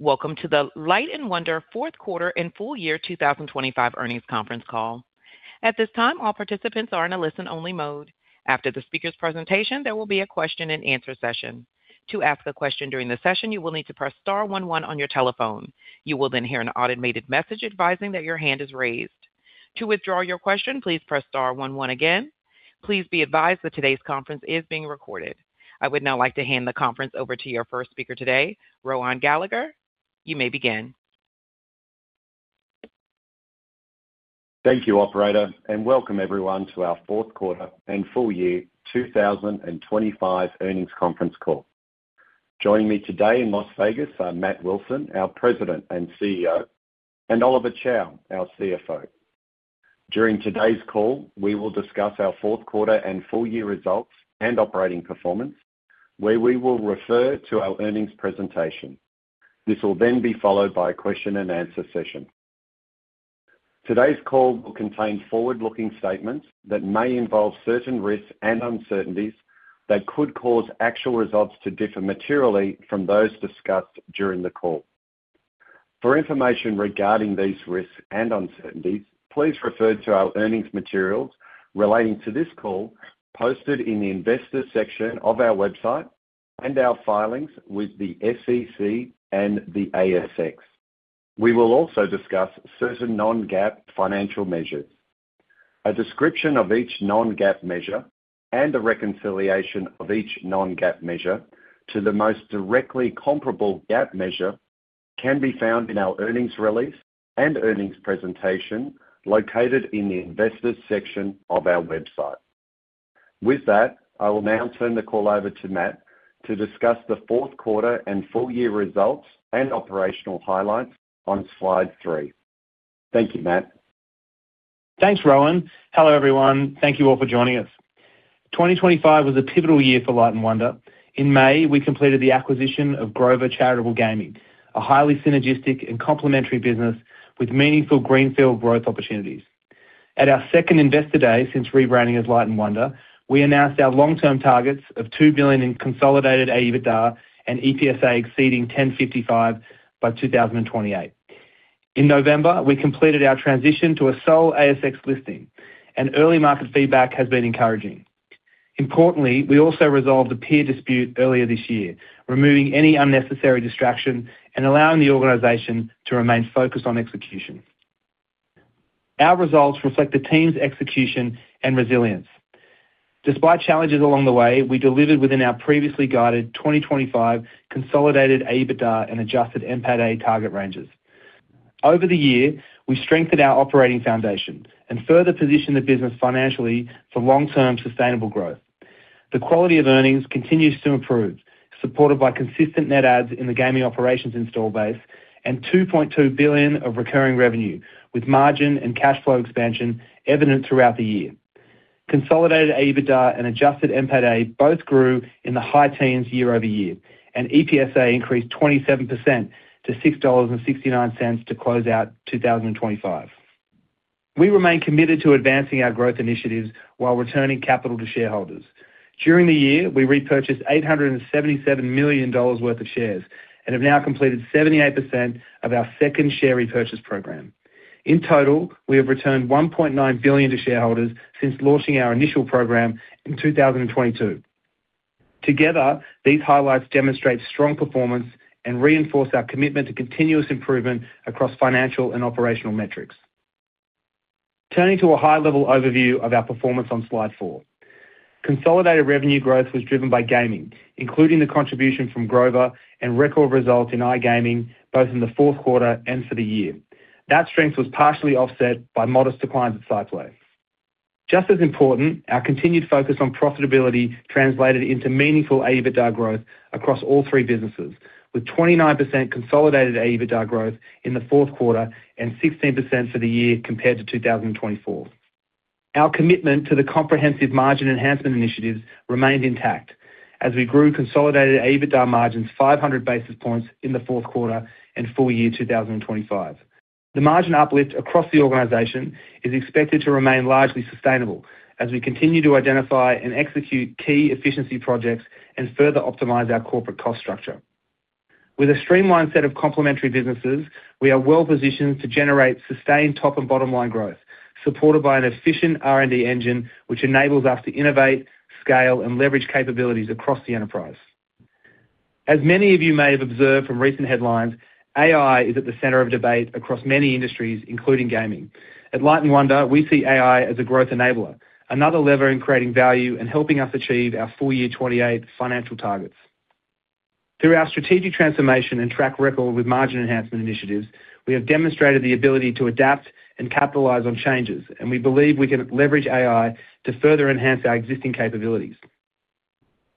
Welcome to the Light & Wonder Fourth Quarter and Full Year 2025 Earnings Conference Call. At this time, all participants are in a listen-only mode. After the speaker's presentation, there will be a question-and-answer session. To ask a question during the session, you will need to press star one one on your telephone. You will then hear an automated message advising that your hand is raised. To withdraw your question, please press star one one again. Please be advised that today's conference is being recorded. I would now like to hand the conference over to your first speaker today, Rohan Gallagher. You may begin. Thank you, operator, welcome everyone to our fourth quarter and full year 2025 earnings conference call. Joining me today in Las Vegas are Matt Wilson, our President and Chief Executive Officer, and Oliver Chow, our Chief Financial Officer. During today's call, we will discuss our fourth quarter and full year results and operating performance, where we will refer to our earnings presentation. This will then be followed by a question-and-answer session. Today's call will contain forward-looking statements that may involve certain risks and uncertainties that could cause actual results to differ materially from those discussed during the call. For information regarding these risks and uncertainties, please refer to our earnings materials relating to this call, posted in the Investors section of our website and our filings with the SEC and the ASX. We will also discuss certain non-GAAP financial measures. A description of each non-GAAP measure and a reconciliation of each non-GAAP measure to the most directly comparable GAAP measure can be found in our earnings release and earnings presentation, located in the Investors section of our website. With that, I will now turn the call over to Matt to discuss the fourth quarter and full year results and operational highlights on slide three. Thank you, Matt. Thanks, Rohan. Hello, everyone. Thank you all for joining us. 2025 was a pivotal year for Light & Wonder. In May, we completed the acquisition of Grover Gaming, a highly synergistic and complementary business with meaningful greenfield growth opportunities. At our second Investor Day since rebranding as Light & Wonder, we announced our long-term targets of $2 billion in consolidated EBITDA and EPSa exceeding $10.55 by 2028. In November, we completed our transition to a sole ASX listing, and early market feedback has been encouraging. Importantly, we also resolved a peer dispute earlier this year, removing any unnecessary distraction and allowing the organization to remain focused on execution. Our results reflect the team's execution and resilience. Despite challenges along the way, we delivered within our previously guided 2025 consolidated EBITDA and adjusted NPATA target ranges. Over the year, we strengthened our operating foundation and further positioned the business financially for long-term sustainable growth. The quality of earnings continues to improve, supported by consistent net adds in the gaming operations install base and $2.2 billion of recurring revenue, with margin and cash flow expansion evident throughout the year. Consolidated EBITDA and adjusted NPATA both grew in the high teens year-over-year, EPSa increased 27% to $6.69 to close out 2025. We remain committed to advancing our growth initiatives while returning capital to shareholders. During the year, we repurchased $877 million worth of shares and have now completed 78% of our second share repurchase program. In total, we have returned $1.9 billion to shareholders since launching our initial program in 2022. Together, these highlights demonstrate strong performance and reinforce our commitment to continuous improvement across financial and operational metrics. Turning to a high-level overview of our performance on slide four. Consolidated revenue growth was driven by gaming, including the contribution from Grover and record results in iGaming, both in the fourth quarter and for the year. That strength was partially offset by modest declines at SciPlay. Just as important, our continued focus on profitability translated into meaningful EBITDA growth across all three businesses, with 29% consolidated EBITDA growth in the fourth quarter and 16% for the year compared to 2024. Our commitment to the comprehensive margin enhancement initiatives remained intact as we grew consolidated EBITDA margins 500 basis points in the fourth quarter and full year 2025. The margin uplift across the organization is expected to remain largely sustainable as we continue to identify and execute key efficiency projects and further optimize our corporate cost structure. With a streamlined set of complementary businesses, we are well-positioned to generate sustained top and bottom-line growth, supported by an efficient R&D engine, which enables us to innovate, scale, and leverage capabilities across the enterprise. As many of you may have observed from recent headlines, AI is at the center of debate across many industries including gaming. At Light & Wonder, we see AI as a growth enabler, another lever in creating value and helping us achieve our full year 2028 financial targets. Through our strategic transformation and track record with margin enhancement initiatives, we have demonstrated the ability to adapt and capitalize on changes, and we believe we can leverage AI to further enhance our existing capabilities.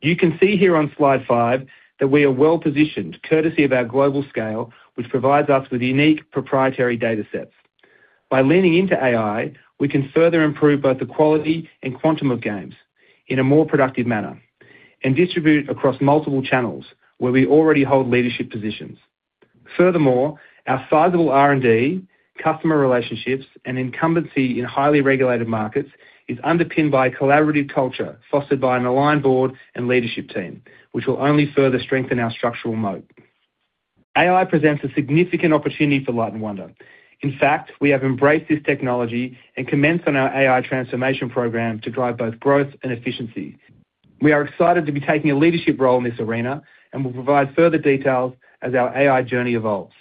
You can see here on slide five that we are well-positioned, courtesy of our global scale, which provides us with unique proprietary datasets. By leaning into AI, we can further improve both the quality and quantum of games in a more productive manner and distribute it across multiple channels where we already hold leadership positions. Furthermore, our sizable R&D, customer relationships, and incumbency in highly regulated markets is underpinned by a collaborative culture fostered by an aligned board and leadership team, which will only further strengthen our structural moat. AI presents a significant opportunity for Light & Wonder. In fact, we have embraced this technology and commenced on our AI transformation program to drive both growth and efficiency. We are excited to be taking a leadership role in this arena, and we'll provide further details as our AI journey evolves.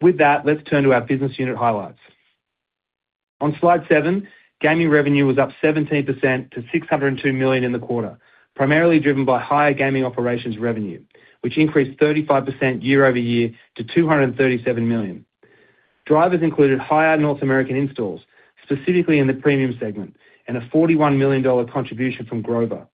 With that, let's turn to our business unit highlights. On slide seven, gaming revenue was up 17% to $602 million in the quarter, primarily driven by higher gaming operations revenue, which increased 35% year-over-year to $237 million. Drivers included higher North American installs, specifically in the premium segment, and a $41 million contribution from Grover.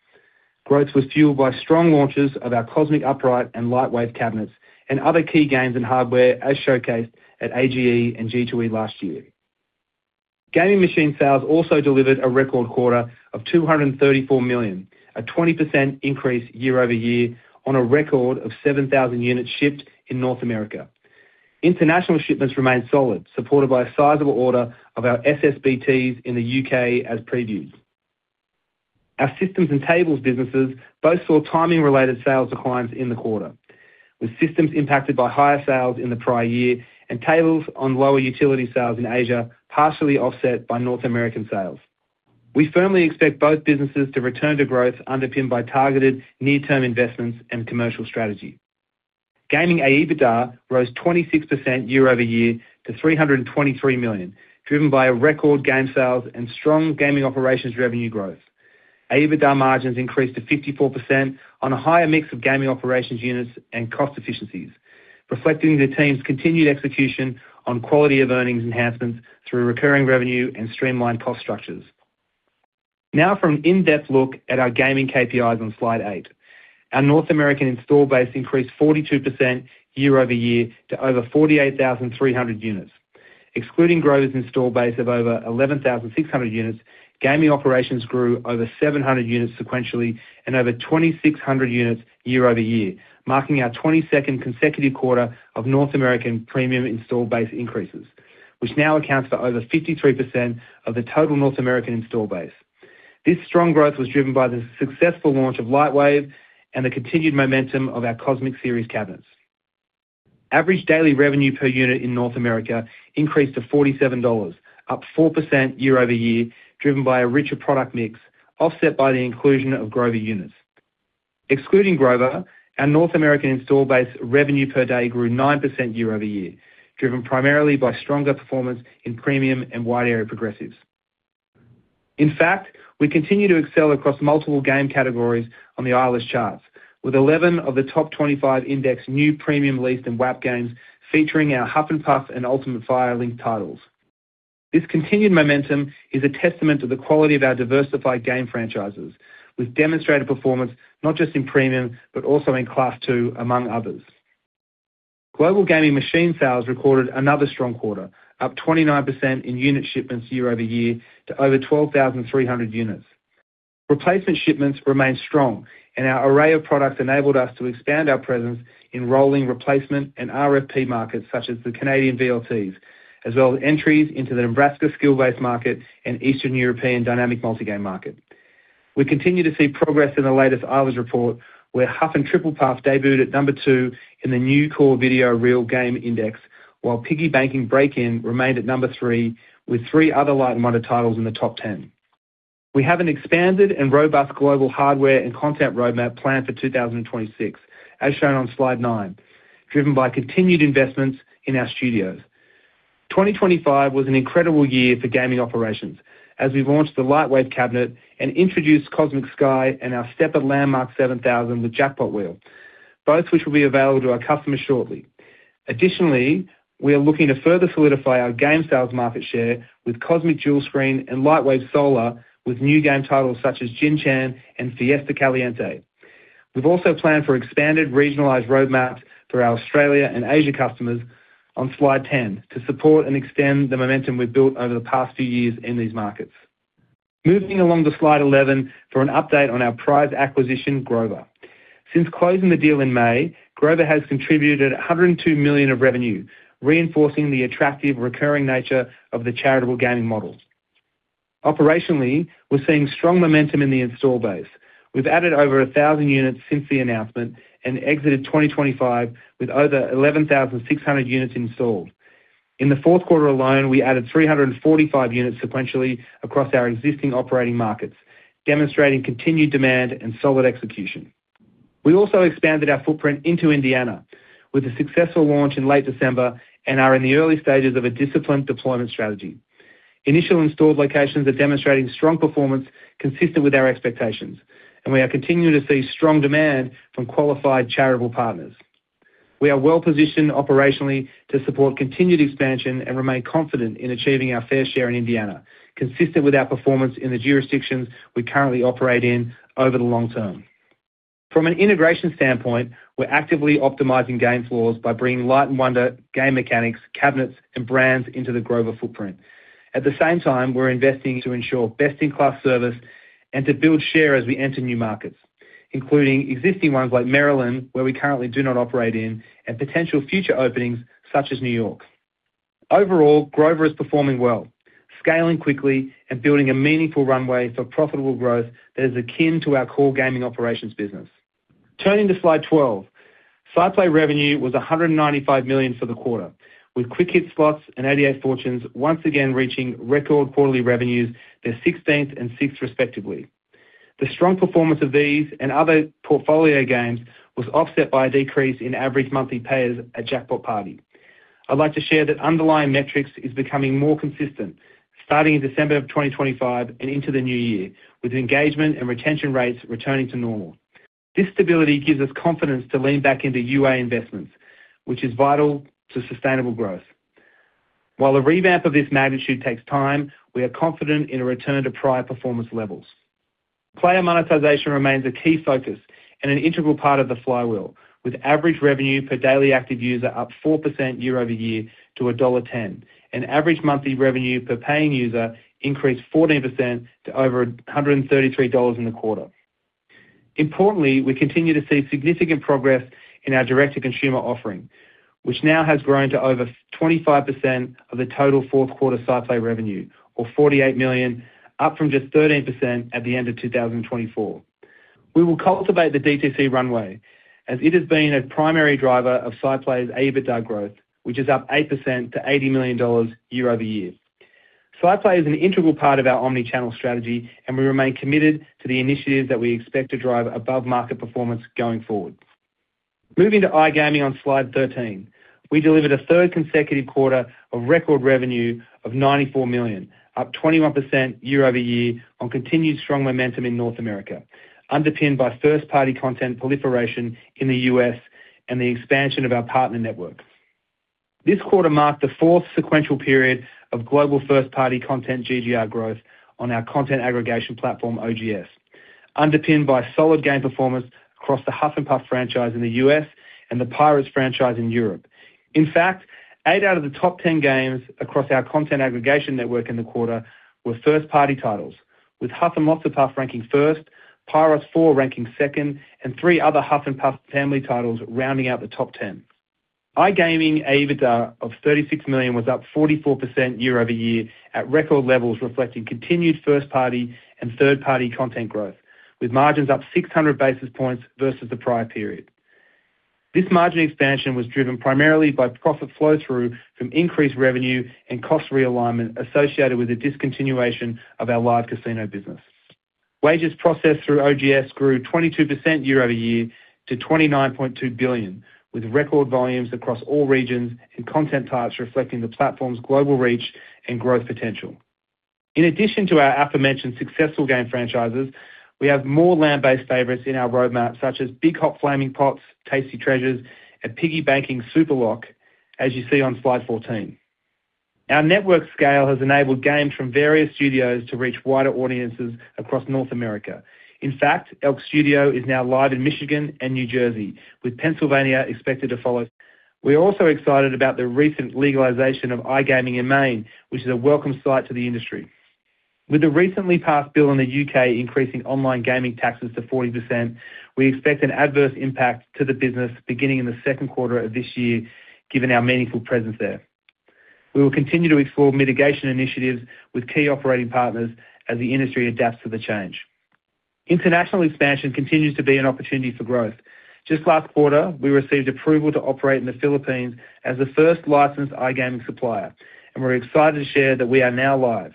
Growth was fueled by strong launches of our Cosmic Upright and LightWave cabinets and other key games and hardware, as showcased at AGE and G2E last year. Gaming machine sales also delivered a record quarter of $234 million, a 20% increase year-over-year on a record of 7,000 units shipped in North America. International shipments remained solid, supported by a sizable order of our SSBTs in the U.K. as previews. Our systems and tables businesses both saw timing-related sales declines in the quarter, with systems impacted by higher sales in the prior year and tables on lower utility sales in Asia, partially offset by North American sales. We firmly expect both businesses to return to growth, underpinned by targeted near-term investments and commercial strategy. Gaming AEBITDA rose 26% year-over-year to $323 million, driven by a record game sales and strong gaming operations revenue growth. AEBITDA margins increased to 54% on a higher mix of gaming operations units and cost efficiencies, reflecting the team's continued execution on quality of earnings enhancements through recurring revenue and streamlined cost structures. Now for an in-depth look at our gaming KPIs on slide eight. Our North American install base increased 42% year-over-year to over 48,300 units. Excluding Grover's install base of over 11,600 units, gaming operations grew over 700 units sequentially and over 2,600 units year-over-year, marking our 22nd consecutive quarter of North American premium install base increases, which now accounts for over 53% of the total North American install base. This strong growth was driven by the successful launch of LightWave and the continued momentum of our COSMIC Series cabinets. Average daily revenue per unit in North America increased to $47, up 4% year-over-year, driven by a richer product mix, offset by the inclusion of Grover units. Excluding Grover, our North American install base revenue per day grew 9% year-over-year, driven primarily by stronger performance in premium and wide area progressives. In fact, we continue to excel across multiple game categories on the Eilers-Fantini charts, with 11 of the top 25 Indexing New Premium Leased and WAP games featuring our HUFF N' PUFF and Ultimate Fire Link titles. This continued momentum is a testament to the quality of our diversified game franchises, with demonstrated performance not just in premium, but also in Class II, among others. Global gaming machine sales recorded another strong quarter, up 29% in unit shipments year-over-year to over 12,300 units. Replacement shipments remained strong, and our array of products enabled us to expand our presence in rolling, replacement, and RFP markets, such as the Canadian VLTs, as well as entries into the Nebraska skill-based market and Eastern European dynamic multi-game market. We continue to see progress in the latest Eilers-Fantini report, where Huff n Triple Puff debuted at number two in the new core video real game index, while Piggy Bankin Break In remained at number three, with three other Light & Wonder titles in the top 10. We have an expanded and robust global hardware and content roadmap planned for 2026, as shown on slide nine, driven by continued investments in our studios. 2025 was an incredible year for gaming operations as we launched the LightWave cabinet and introduced Cosmic Sky and our stepper LANDMARK 7000 with Jackpot Wheel, both which will be available to our customers shortly. Additionally, we are looking to further solidify our game sales market share with Cosmic Dual Screen and LightWave Solar, with new game titles such as Jin Chan and Fiesta Caliente. We've also planned for expanded regionalized roadmaps for our Australia and Asia customers on slide 10 to support and extend the momentum we've built over the past few years in these markets. Moving along to slide 11 for an update on our acquisition, Grover. Since closing the deal in May, Grover has contributed $102 million of revenue, reinforcing the attractive recurring nature of the charitable gaming models. Operationally, we're seeing strong momentum in the install base. We've added over 1,000 units since the announcement and exited 2025 with over 11,600 units installed. In the fourth quarter alone, we added 345 units sequentially across our existing operating markets, demonstrating continued demand and solid execution. We also expanded our footprint into Indiana with a successful launch in late December and are in the early stages of a disciplined deployment strategy. Initial installed locations are demonstrating strong performance consistent with our expectations. We are continuing to see strong demand from qualified charitable partners. We are well-positioned operationally to support continued expansion and remain confident in achieving our fair share in Indiana, consistent with our performance in the jurisdictions we currently operate in over the long term. From an integration standpoint, we're actively optimizing game floors by bringing Light & Wonder game mechanics, cabinets, and brands into the Grover footprint. At the same time, we're investing to ensure best-in-class service and to build share as we enter new markets, including existing ones like Maryland, where we currently do not operate in, and potential future openings such as New York. Overall, Grover is performing well, scaling quickly and building a meaningful runway for profitable growth that is akin to our core gaming operations business. Turning to slide 12. SciPlay revenue was $195 million for the quarter, with Quick Hit Slots and 88 Fortunes once again reaching record quarterly revenues, their 16th and sixth respectively. The strong performance of these and other portfolio games was offset by a decrease in average monthly payers at Jackpot Party. I'd like to share that underlying metrics is becoming more consistent, starting in December of 2025 and into the new year, with engagement and retention rates returning to normal. This stability gives us confidence to lean back into UA investments, which is vital to sustainable growth. While a revamp of this magnitude takes time, we are confident in a return to prior performance levels. Player monetization remains a key focus and an integral part of the flywheel, with average revenue per daily active user up 4% year-over-year to $1.10, and average monthly revenue per paying user increased 14% to over $133 in the quarter. Importantly, we continue to see significant progress in our Direct-to-Consumer offering, which now has grown to over 25% of the total fourth quarter SciPlay revenue or $48 million, up from just 13% at the end of 2024. We will cultivate the DTC runway as it has been a primary driver of SciPlay's EBITDA growth, which is up 8% to $80 million year-over-year. SciPlay is an integral part of our omni-channel strategy. We remain committed to the initiatives that we expect to drive above-market performance going forward. Moving to iGaming on slide 13. We delivered a third consecutive quarter of record revenue of $94 million, up 21% year-over-year on continued strong momentum in North America, underpinned by first-party content proliferation in the U.S. and the expansion of our partner networks. This quarter marked the fourth sequential period of global first-party content GGR growth on our content aggregation platform, OGS, underpinned by solid game performance across the HUFF N' PUFF franchise in the U.S. and the PIROTS franchise in Europe. In fact, eight out of the top 10 games across our content aggregation network in the quarter were first-party titles, with HUFF N' PUFF ranking first, PIROTS 4 ranking second, and three other HUFF N' PUFF family titles rounding out the top 10. iGaming EBITDA of $36 million was up 44% year-over-year at record levels, reflecting continued first-party and third-party content growth, with margins up 600 basis points versus the prior period. This margin expansion was driven primarily by profit flow-through from increased revenue and cost realignment associated with the discontinuation of our live casino business. Wages processed through OGS grew 22% year-over-year to $29.2 billion, with record volumes across all regions and content types, reflecting the platform's global reach and growth potential. In addition to our aforementioned successful game franchises, we have more land-based favorites in our roadmap, such as Big Hot Flaming Pots, Tasty Treasures, and Piggy Bankin' Superlock, as you see on slide 14. Our network scale has enabled games from various studios to reach wider audiences across North America. In fact, ELK Studios is now live in Michigan and New Jersey, with Pennsylvania expected to follow. We're also excited about the recent legalization of iGaming in Maine, which is a welcome sight to the industry. With the recently passed bill in the U.K., increasing online gaming taxes to 40%, we expect an adverse impact to the business beginning in the second quarter of this year, given our meaningful presence there. We will continue to explore mitigation initiatives with key operating partners as the industry adapts to the change. International expansion continues to be an opportunity for growth. Just last quarter, we received approval to operate in the Philippines as the first licensed iGaming supplier, and we're excited to share that we are now live.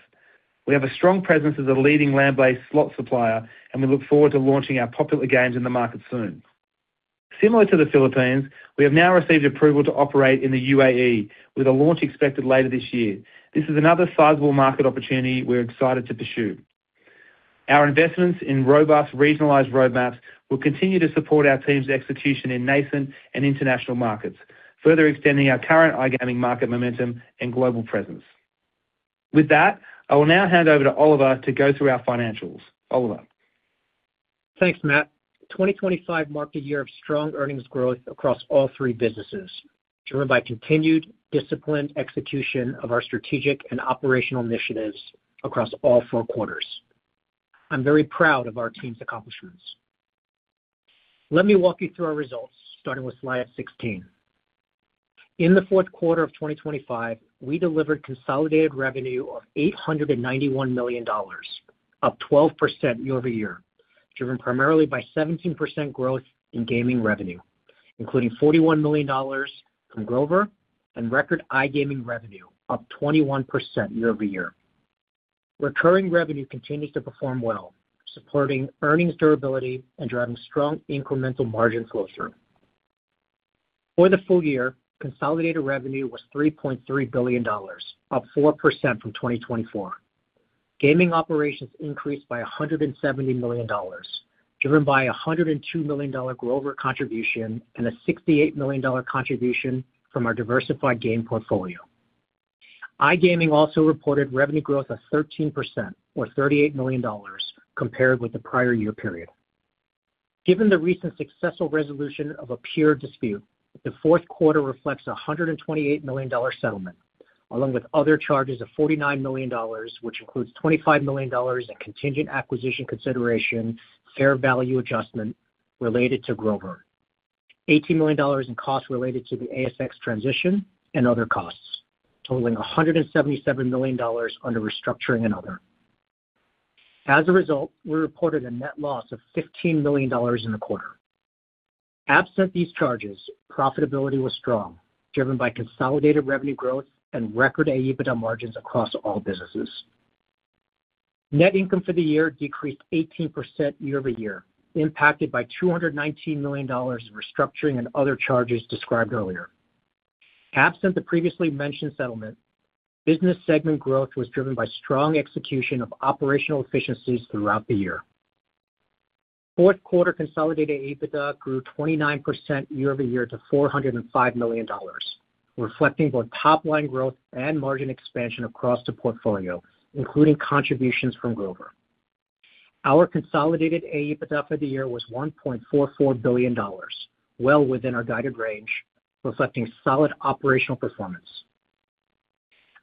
We have a strong presence as a leading land-based slot supplier, and we look forward to launching our popular games in the market soon. Similar to the Philippines, we have now received approval to operate in the UAE, with a launch expected later this year. This is another sizable market opportunity we're excited to pursue. Our investments in robust regionalized roadmaps will continue to support our team's execution in nascent and international markets, further extending our current iGaming market momentum and global presence. With that, I will now hand over to Oliver to go through our financials. Oliver? Thanks, Matt. 2025 marked a year of strong earnings growth across all three businesses, driven by continued disciplined execution of our strategic and operational initiatives across all four quarters. I'm very proud of our team's accomplishments. Let me walk you through our results, starting with slide 16. In the fourth quarter of 2025, we delivered consolidated revenue of $891 million, up 12% year-over-year, driven primarily by 17% growth in gaming revenue, including $41 million from Grover and record iGaming revenue, up 21% year-over-year. Recurring revenue continues to perform well, supporting earnings durability and driving strong incremental margin flow-through. For the full year, consolidated revenue was $3.3 billion, up 4% from 2024. Gaming operations increased by $170 million, driven by a $102 million Grover contribution and a $68 million contribution from our diversified game portfolio. iGaming also reported revenue growth of 13% or $38 million compared with the prior year period. Given the recent successful resolution of a peer dispute, the fourth quarter reflects a $128 million settlement, along with other charges of $49 million, which includes $25 million in contingent acquisition consideration, fair value adjustment related to Grover. $80 million in costs related to the ASX transition and other costs, totaling $177 million under restructuring and other. As a result, we reported a net loss of $15 million in the quarter. Absent these charges, profitability was strong, driven by consolidated revenue growth and record AEBITDA margins across all businesses. Net income for the year decreased 18% year-over-year, impacted by $219 million in restructuring and other charges described earlier. Absent the previously mentioned settlement, business segment growth was driven by strong execution of operational efficiencies throughout the year. Fourth quarter consolidated EBITDA grew 29% year-over-year to $405 million, reflecting both top-line growth and margin expansion across the portfolio, including contributions from Grover. Our consolidated AEBITDA for the year was $1.44 billion, well within our guided range, reflecting solid operational performance.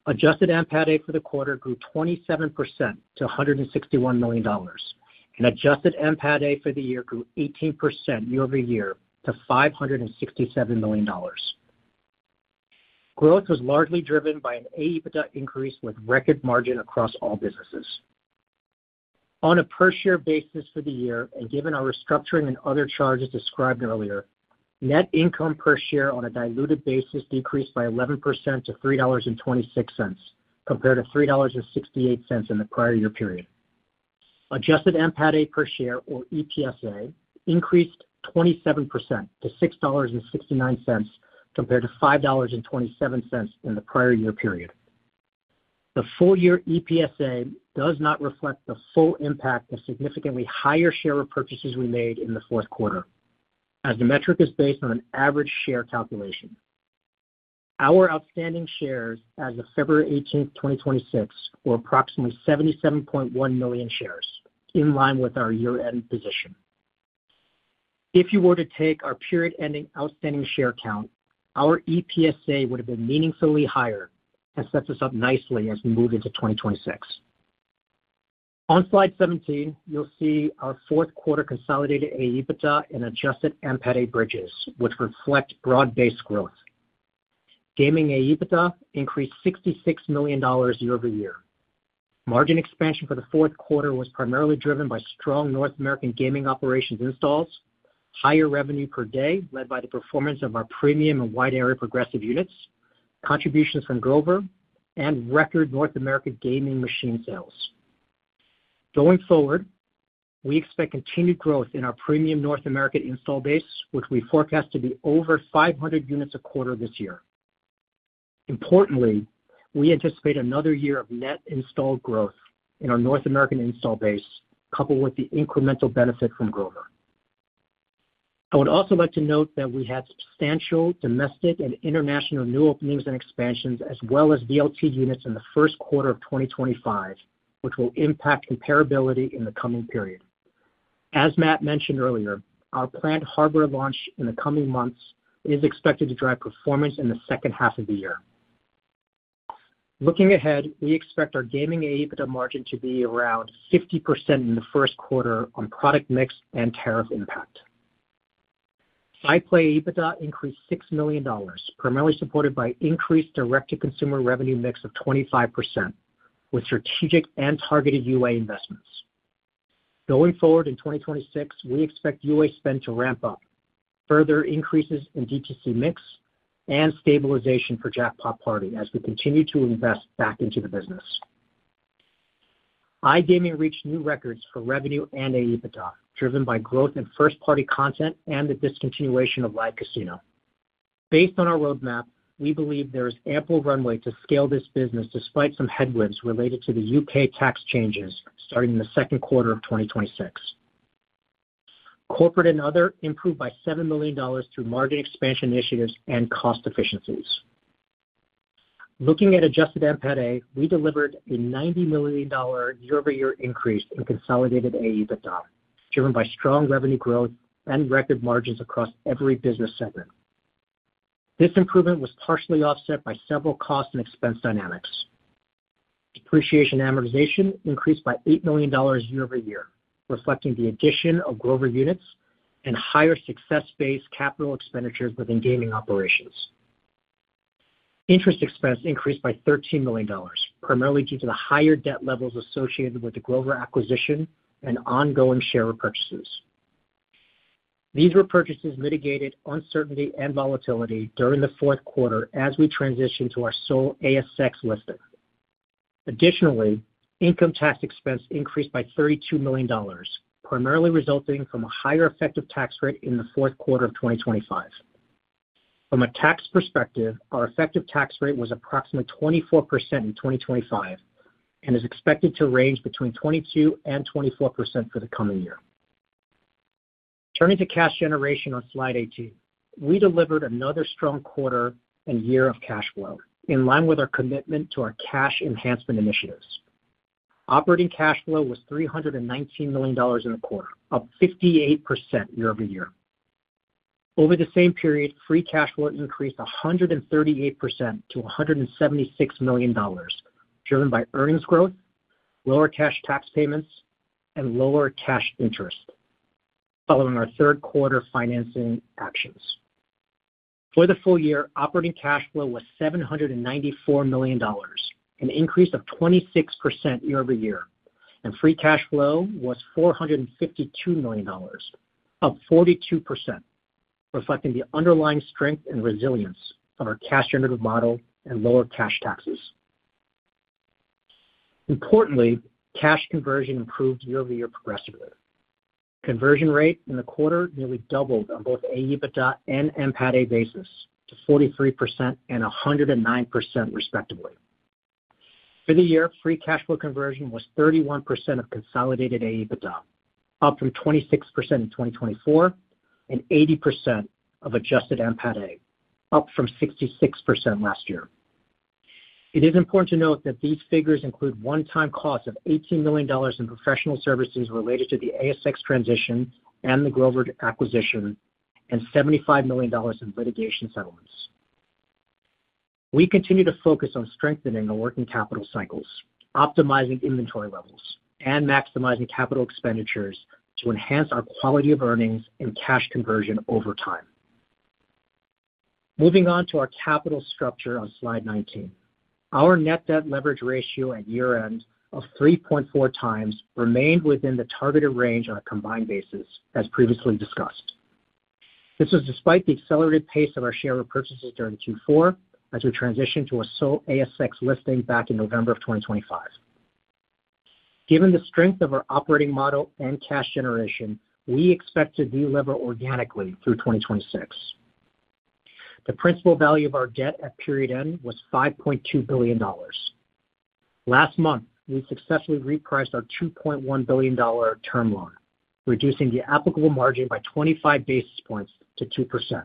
Adjusted NPATA for the quarter grew 27% to $161 million. Adjusted NPATA for the year grew 18% year-over-year to $567 million. Growth was largely driven by an AEBITDA increase with record margin across all businesses. On a per-share basis for the year, and given our restructuring and other charges described earlier, net income per share on a diluted basis decreased by 11% to $3.26, compared to $3.68 in the prior year period. Adjusted NPATA per share, or EPSa, increased 27% to $6.69, compared to $5.27 in the prior year period. The full year EPSa does not reflect the full impact of significantly higher share repurchases we made in the fourth quarter, as the metric is based on an average share calculation. Our outstanding shares as of February 18, 2026, were approximately 77.1 million shares, in line with our year-end position. If you were to take our period-ending outstanding share count, our EPSA would have been meaningfully higher and sets us up nicely as we move into 2026. On Slide 17, you'll see our fourth quarter consolidated AEBITDA and adjusted NPATA bridges, which reflect broad-based growth. Gaming AEBITDA increased $66 million year-over-year. Margin expansion for the fourth quarter was primarily driven by strong North American gaming operations installs, higher revenue per day, led by the performance of our premium and wide area progressive units, contributions from Grover, and record North American gaming machine sales. Going forward, we expect continued growth in our premium North American install base, which we forecast to be over 500 units a quarter this year. Importantly, we anticipate another year of net install growth in our North American install base, coupled with the incremental benefit from Grover. I would also like to note that we had substantial domestic and international new openings and expansions, as well as VLT units in the first quarter of 2025, which will impact comparability in the coming period. As Matt mentioned earlier, our planned hardware launch in the coming months is expected to drive performance in the second half of the year. Looking ahead, we expect our gaming AEBITDA margin to be around 50% in the first quarter on product mix and tariff impact. SciPlay AEBITDA increased $6 million, primarily supported by increased Direct-to-Consumer revenue mix of 25%, with strategic and targeted UA investments. In 2026, we expect UA spend to ramp up, further increases in DTC mix and stabilization for Jackpot Party as we continue to invest back into the business. iGaming reached new records for revenue and AEBITDA, driven by growth in first-party content and the discontinuation of live casino. Based on our roadmap, we believe there is ample runway to scale this business, despite some headwinds related to the U.K. tax changes starting in the 2Q 2026. Corporate and other improved by $7 million through margin expansion initiatives and cost efficiencies. Looking at adjusted NPATA, we delivered a $90 million year-over-year increase in consolidated AEBITDA, driven by strong revenue growth and record margins across every business segment. This improvement was partially offset by several cost and expense dynamics. Depreciation and amortization increased by $8 million year-over-year, reflecting the addition of Grover units and higher success-based capital expenditures within gaming operations. Interest expense increased by $13 million, primarily due to the higher debt levels associated with the Grover acquisition and ongoing share repurchases. These repurchases mitigated uncertainty and volatility during the fourth quarter as we transition to our sole ASX listing. Income tax expense increased by $32 million, primarily resulting from a higher effective tax rate in the fourth quarter of 2025. From a tax perspective, our effective tax rate was approximately 24% in 2025 and is expected to range between 22% and 24% for the coming year. Turning to cash generation on Slide 18. We delivered another strong quarter and year of cash flow, in line with our commitment to our cash enhancement initiatives. Operating cash flow was $319 million in the quarter, up 58% year-over-year. Over the same period, free cash flow increased 138% to $176 million, driven by earnings growth, lower cash tax payments, and lower cash interest, following our third quarter financing actions. For the full year, operating cash flow was $794 million, an increase of 26% year-over-year, and free cash flow was $452 million, up 42%, reflecting the underlying strength and resilience of our cash generative model and lower cash taxes. Importantly, cash conversion improved year-over-year progressively. Conversion rate in the quarter nearly doubled on both AEBITDA and NPATA basis, to 43% and 109% respectively. For the year, free cash flow conversion was 31% of consolidated AEBITDA, up from 26% in 2024, and 80% of adjusted NPATA, up from 66% last year. It is important to note that these figures include one-time costs of $18 million in professional services related to the ASX transition and the Grover acquisition, and $75 million in litigation settlements. We continue to focus on strengthening the working capital cycles, optimizing inventory levels, and maximizing CapEx to enhance our quality of earnings and cash conversion over time. Moving on to our capital structure on slide 19. Our net debt leverage ratio at year-end of 3.4x remained within the targeted range on a combined basis, as previously discussed. This was despite the accelerated pace of our share repurchases during Q4 as we transitioned to a sole ASX listing back in November of 2025. Given the strength of our operating model and cash generation, we expect to de-lever organically through 2026. The principal value of our debt at period end was $5.2 billion. Last month, we successfully repriced our $2.1 billion term loan, reducing the applicable margin by 25 basis points to 2%,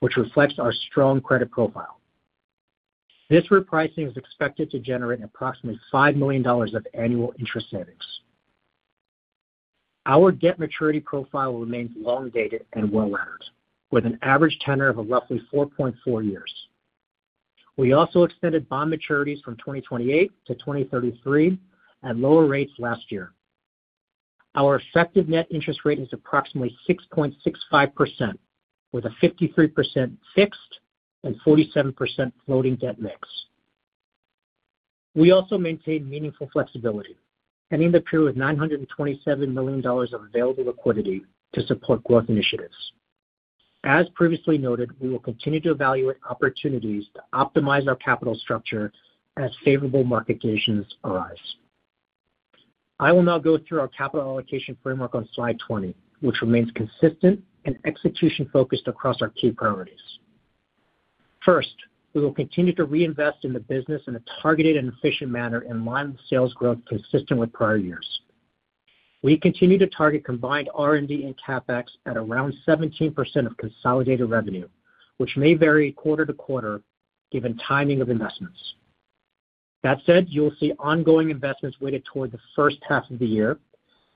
which reflects our strong credit profile. This repricing is expected to generate approximately $5 million of annual interest savings. Our debt maturity profile remains long dated and well-rounded, with an average tenure of roughly 4.4 years. We also extended bond maturities from 2028 to 2033 at lower rates last year. Our effective net interest rate is approximately 6.65%, with a 53% fixed and 47% floating debt mix. We also maintain meaningful flexibility, ending the period with $927 million of available liquidity to support growth initiatives. As previously noted, we will continue to evaluate opportunities to optimize our capital structure as favorable market conditions arise. I will now go through our capital allocation framework on slide 20, which remains consistent and execution-focused across our key priorities. First, we will continue to reinvest in the business in a targeted and efficient manner in line with sales growth consistent with prior years. We continue to target combined R&D and CapEx at around 17% of consolidated revenue, which may vary quarter-to-quarter given timing of investments. That said, you will see ongoing investments weighted toward the first half of the year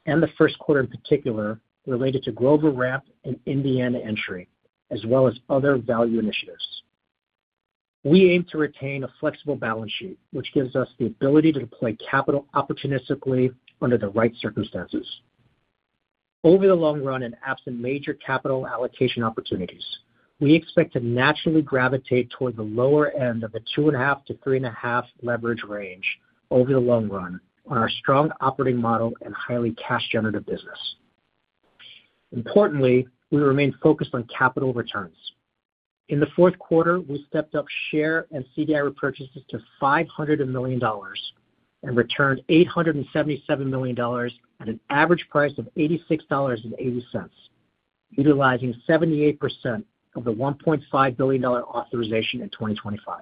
and the first quarter in particular, related to Grover Gaming and Indiana entry, as well as other value initiatives. We aim to retain a flexible balance sheet, which gives us the ability to deploy capital opportunistically under the right circumstances. Over the long run and absent major capital allocation opportunities, we expect to naturally gravitate toward the lower end of the 2.5-3.5x leverage range over the long run on our strong operating model and highly cash generative business. Importantly, we remain focused on capital returns. In the fourth quarter, we stepped up share and CDI repurchases to $500 million and returned $877 million at an average price of $86.80, utilizing 78% of the $1.5 billion authorization in 2025.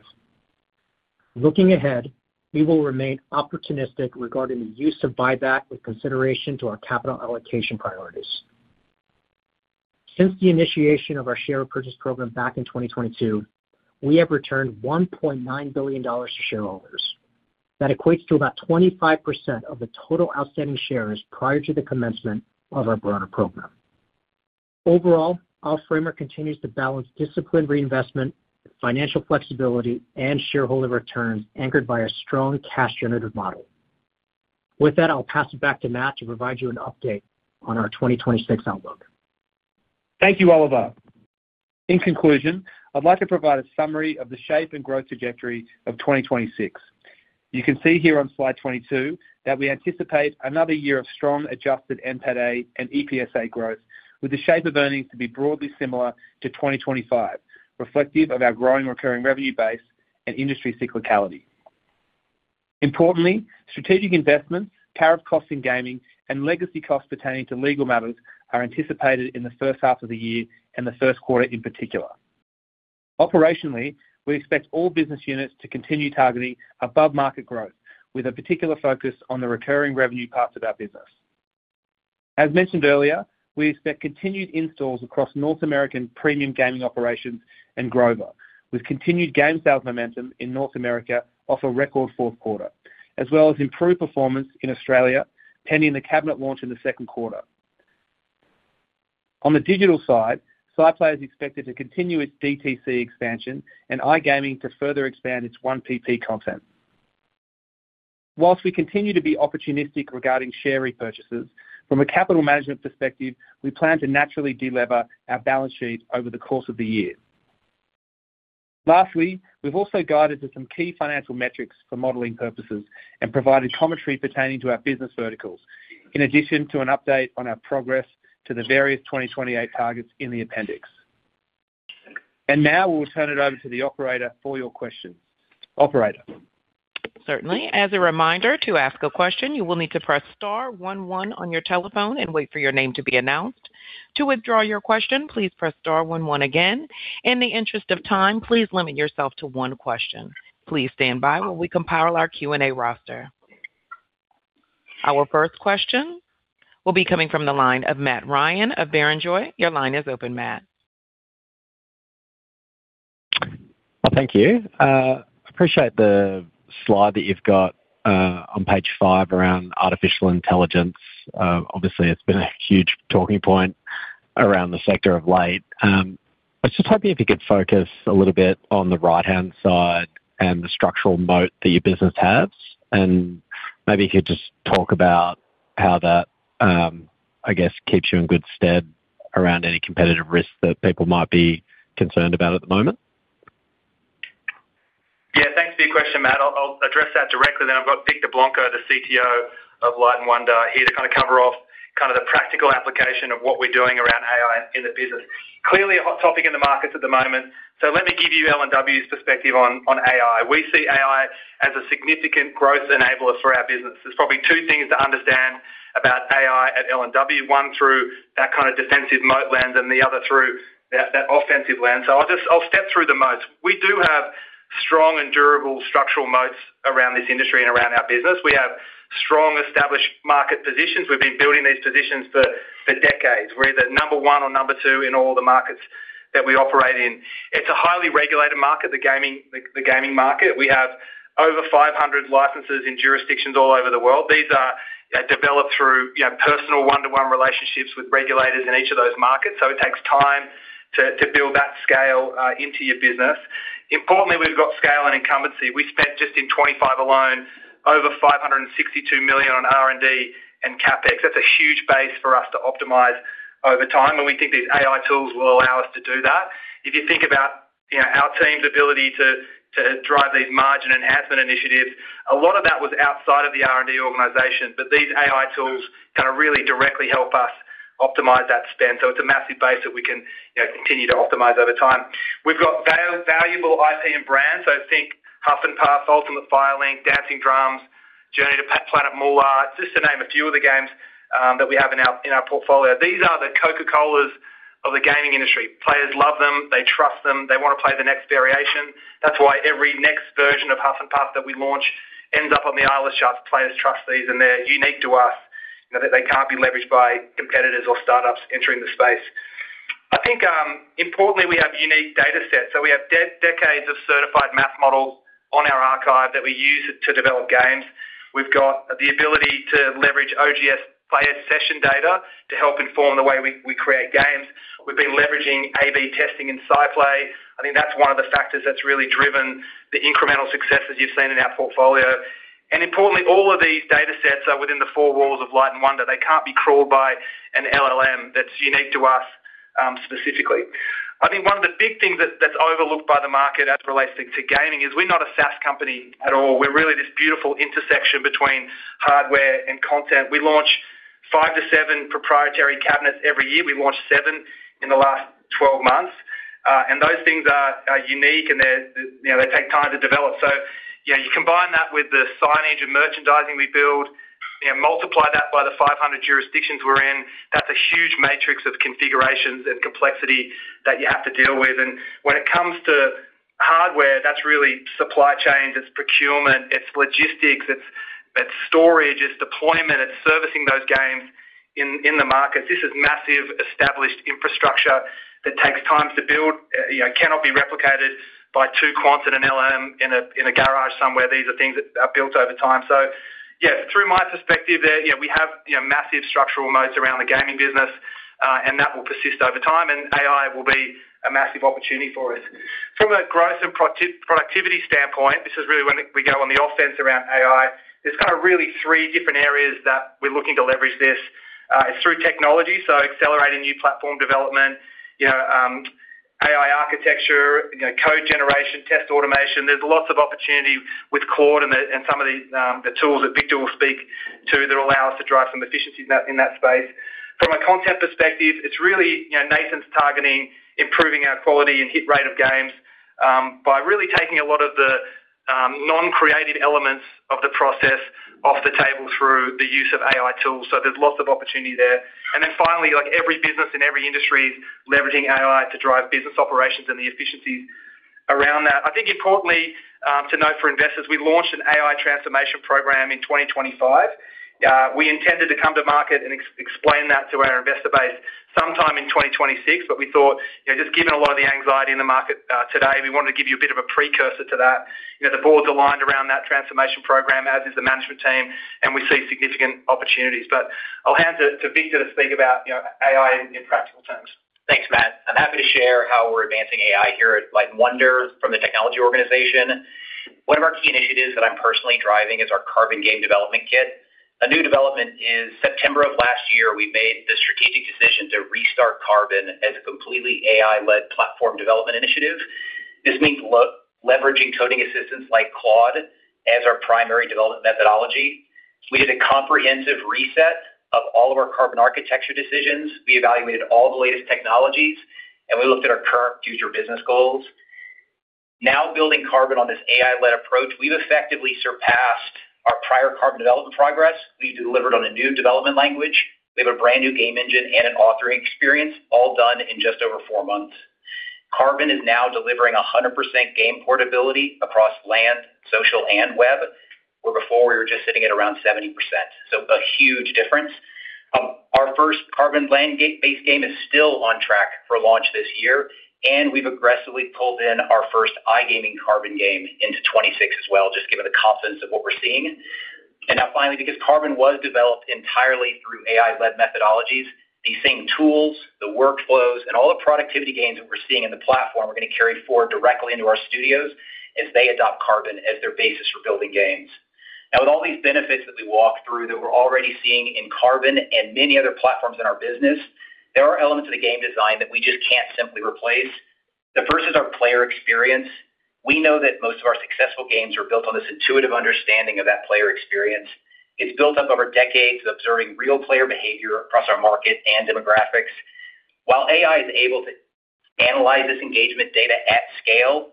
Looking ahead, we will remain opportunistic regarding the use of buyback with consideration to our capital allocation priorities. Since the initiation of our share purchase program back in 2022, we have returned $1.9 billion to shareholders. That equates to about 25% of the total outstanding shares prior to the commencement of our broader program. Overall, our framework continues to balance disciplined reinvestment, financial flexibility, and shareholder returns, anchored by a strong cash generative model. With that, I'll pass it back to Matt to provide you an update on our 2026 outlook. Thank you, Oliver. In conclusion, I'd like to provide a summary of the shape and growth trajectory of 2026. You can see here on slide 22 that we anticipate another year of strong adjusted NPATA and EPSa growth, with the shape of earnings to be broadly similar to 2025, reflective of our growing recurring revenue base and industry cyclicality. Importantly, strategic investments, tariff costs in gaming, and legacy costs pertaining to legal matters are anticipated in the first half of the year and the first quarter in particular. Operationally, we expect all business units to continue targeting above-market growth, with a particular focus on the recurring revenue parts of our business. As mentioned earlier, we expect continued installs across North American premium gaming operations and Grover, with continued game sales momentum in North America off a record fourth quarter, as well as improved performance in Australia, pending the cabinet launch in the second quarter. On the digital side, SciPlay is expected to continue its DTC expansion and iGaming to further expand its 1PP content. Whilst we continue to be opportunistic regarding share repurchases, from a capital management perspective, we plan to naturally de-lever our balance sheet over the course of the year. Lastly, we've also guided to some key financial metrics for modeling purposes and provided commentary pertaining to our business verticals, in addition to an update on our progress to the various 2028 targets in the appendix. Now we'll turn it over to the Operator for your questions. Operator? Certainly. As a reminder, to ask a question, you will need to press star one one on your telephone and wait for your name to be announced. To withdraw your question, please press star one one again. In the interest of time, please limit yourself to one question. Please stand by while we compile our Q&A roster. Our first question will be coming from the line of Matthew Ryan of Barrenjoey. Your line is open, Matt. Well, thank you. I appreciate the slide that you've got on page five around artificial intelligence. Obviously, it's been a huge talking point around the sector of late. I was just hoping if you could focus a little bit on the right-hand side and the structural moat that your business has, and maybe you could just talk about how that, I guess, keeps you in good stead around any competitive risks that people might be concerned about at the moment. Yeah, thanks for your question, Matt. I'll address that directly, then I've got Victor Blanco, the CTO of Light & Wonder, here to kind of cover off the practical application of what we're doing around AI in the business. Clearly, a hot topic in the markets at the moment, so let me give you L&W's perspective on AI. We see AI as a significant growth enabler for our business. There's probably two things to understand about AI at L&W. One, through that kind of defensive moat lens and the other through that offensive lens. I'll step through the moats. We do have strong and durable structural moats around this industry and around our business. We have strong, established market positions. We've been building these positions for decades. We're either number one or number two in all the markets that we operate in. It's a highly regulated market, the gaming, the gaming market. We have over 500 licenses in jurisdictions all over the world. These are developed through, you know, personal one-to-one relationships with regulators in each of those markets, so it takes time to build that scale into your business. Importantly, we've got scale and incumbency. We spent, just in 2025 alone, over $562 million on R&D and CapEx. That's a huge base for us to optimize over time, and we think these AI tools will allow us to do that. If you think about, you know, our team's ability to drive these margin enhancement initiatives, a lot of that was outside of the R&D organization, but these AI tools kind of really directly help us optimize that spend. It's a massive base that we can, you know, continue to optimize over time. We've got valuable IP and brands, so think HUFF N' PUFF, Ultimate Fire Link, DANCING DRUMS, JOURNEY TO THE PLANET MOOLAH, just to name a few of the games that we have in our portfolio. These are the Coca-Colas of the gaming industry. Players love them, they trust them, they want to play the next variation. That's why every next version of HUFF N' PUFF that we launch ends up on the aisle of shots. Players trust these. They're unique to us, you know, that they can't be leveraged by competitors or startups entering the space. I think, importantly, we have unique data sets. We have decades of certified math models on our archive that we use to develop games. We've got the ability to leverage OGS player session data to help inform the way we create games. We've been leveraging A/B testing in SciPlay. I think that's one of the factors that's really driven the incremental successes you've seen in our portfolio. Importantly, all of these data sets are within the four walls of Light & Wonder. They can't be crawled by an LLM. That's unique to us, specifically. One of the big things that's overlooked by the market as it relates to gaming, is we're not a SaaS company at all. We're really this beautiful intersection between hardware and content. We launch five to seven proprietary cabinets every year. We launched seven in the last 12 months, and those things are unique and they're, you know, they take time to develop. You know, you combine that with the signage and merchandising we build, you know, multiply that by the 500 jurisdictions we're in, that's a huge matrix of configurations and complexity that you have to deal with. When it comes to hardware, that's really supply chain, it's procurement, it's logistics, it's storage, it's deployment, it's servicing those games in the market. This is massive, established infrastructure that takes time to build, you know, cannot be replicated by two quants and an LLM in a garage somewhere. These are things that are built over time. Yeah, through my perspective there, you know, we have, you know, massive structural moats around the gaming business, and that will persist over time, and AI will be a massive opportunity for us. From a growth and productivity standpoint, this is really when we go on the offense around AI. There's kind of really three different areas that we're looking to leverage this. It's through technology, so accelerating new platform development, you know, AI architecture, you know, code generation, test automation. There's lots of opportunity with Claude and some of the tools that Victor will speak to that allow us to drive some efficiency in that, in that space. From a content perspective, it's really, you know, Nathan's targeting, improving our quality and hit rate of games, by really taking a lot of the non-creative elements of the process off the table through the use of AI tools. There's lots of opportunity there. Finally, like every business in every industry, is leveraging AI to drive business operations and the efficiencies around that. I think importantly, to note for investors, we launched an AI transformation program in 2025. We intended to come to market and explain that to our investor base sometime in 2026, but we thought, you know, just given a lot of the anxiety in the market, today, we wanted to give you a bit of a precursor to that. You know, the Board's aligned around that transformation program, as is the management team, and we see significant opportunities. I'll hand it to Victor to speak about, you know, AI in practical terms. .Thanks, Matt. I'm happy to share how we're advancing AI here at Light & Wonder from the technology organization. One of our key initiatives that I'm personally driving is our Carbon game development kit. A new development is September of last year, we made the strategic decision to restart Carbon as a completely AI-led platform development initiative. This means leveraging coding assistants like Claude as our primary development methodology. We did a comprehensive reset of all of our Carbon architecture decisions. We evaluated all the latest technologies, and we looked at our current future business goals. Now, building Carbon on this AI-led approach, we've effectively surpassed our prior Carbon development progress. We've delivered on a new development language. We have a brand-new game engine and an authoring experience, all done in just over four months. Carbon is now delivering 100% game portability across land, social, and web, where before we were just sitting at around 70%. A huge difference. Our first Carbon land-based game is still on track for launch this year, and we've aggressively pulled in our first iGaming Carbon game into 2026 as well, just given the confidence of what we're seeing. Now, finally, because Carbon was developed entirely through AI-led methodologies, these same tools, the workflows, and all the productivity gains that we're seeing in the platform are going to carry forward directly into our studios as they adopt Carbon as their basis for building games. Now, with all these benefits that we walked through, that we're already seeing in Carbon and many other platforms in our business, there are elements of the game design that we just can't simply replace. The first is our player experience. We know that most of our successful games are built on this intuitive understanding of that player experience. It's built up over decades of observing real player behavior across our market and demographics. While AI is able to analyze this engagement data at scale,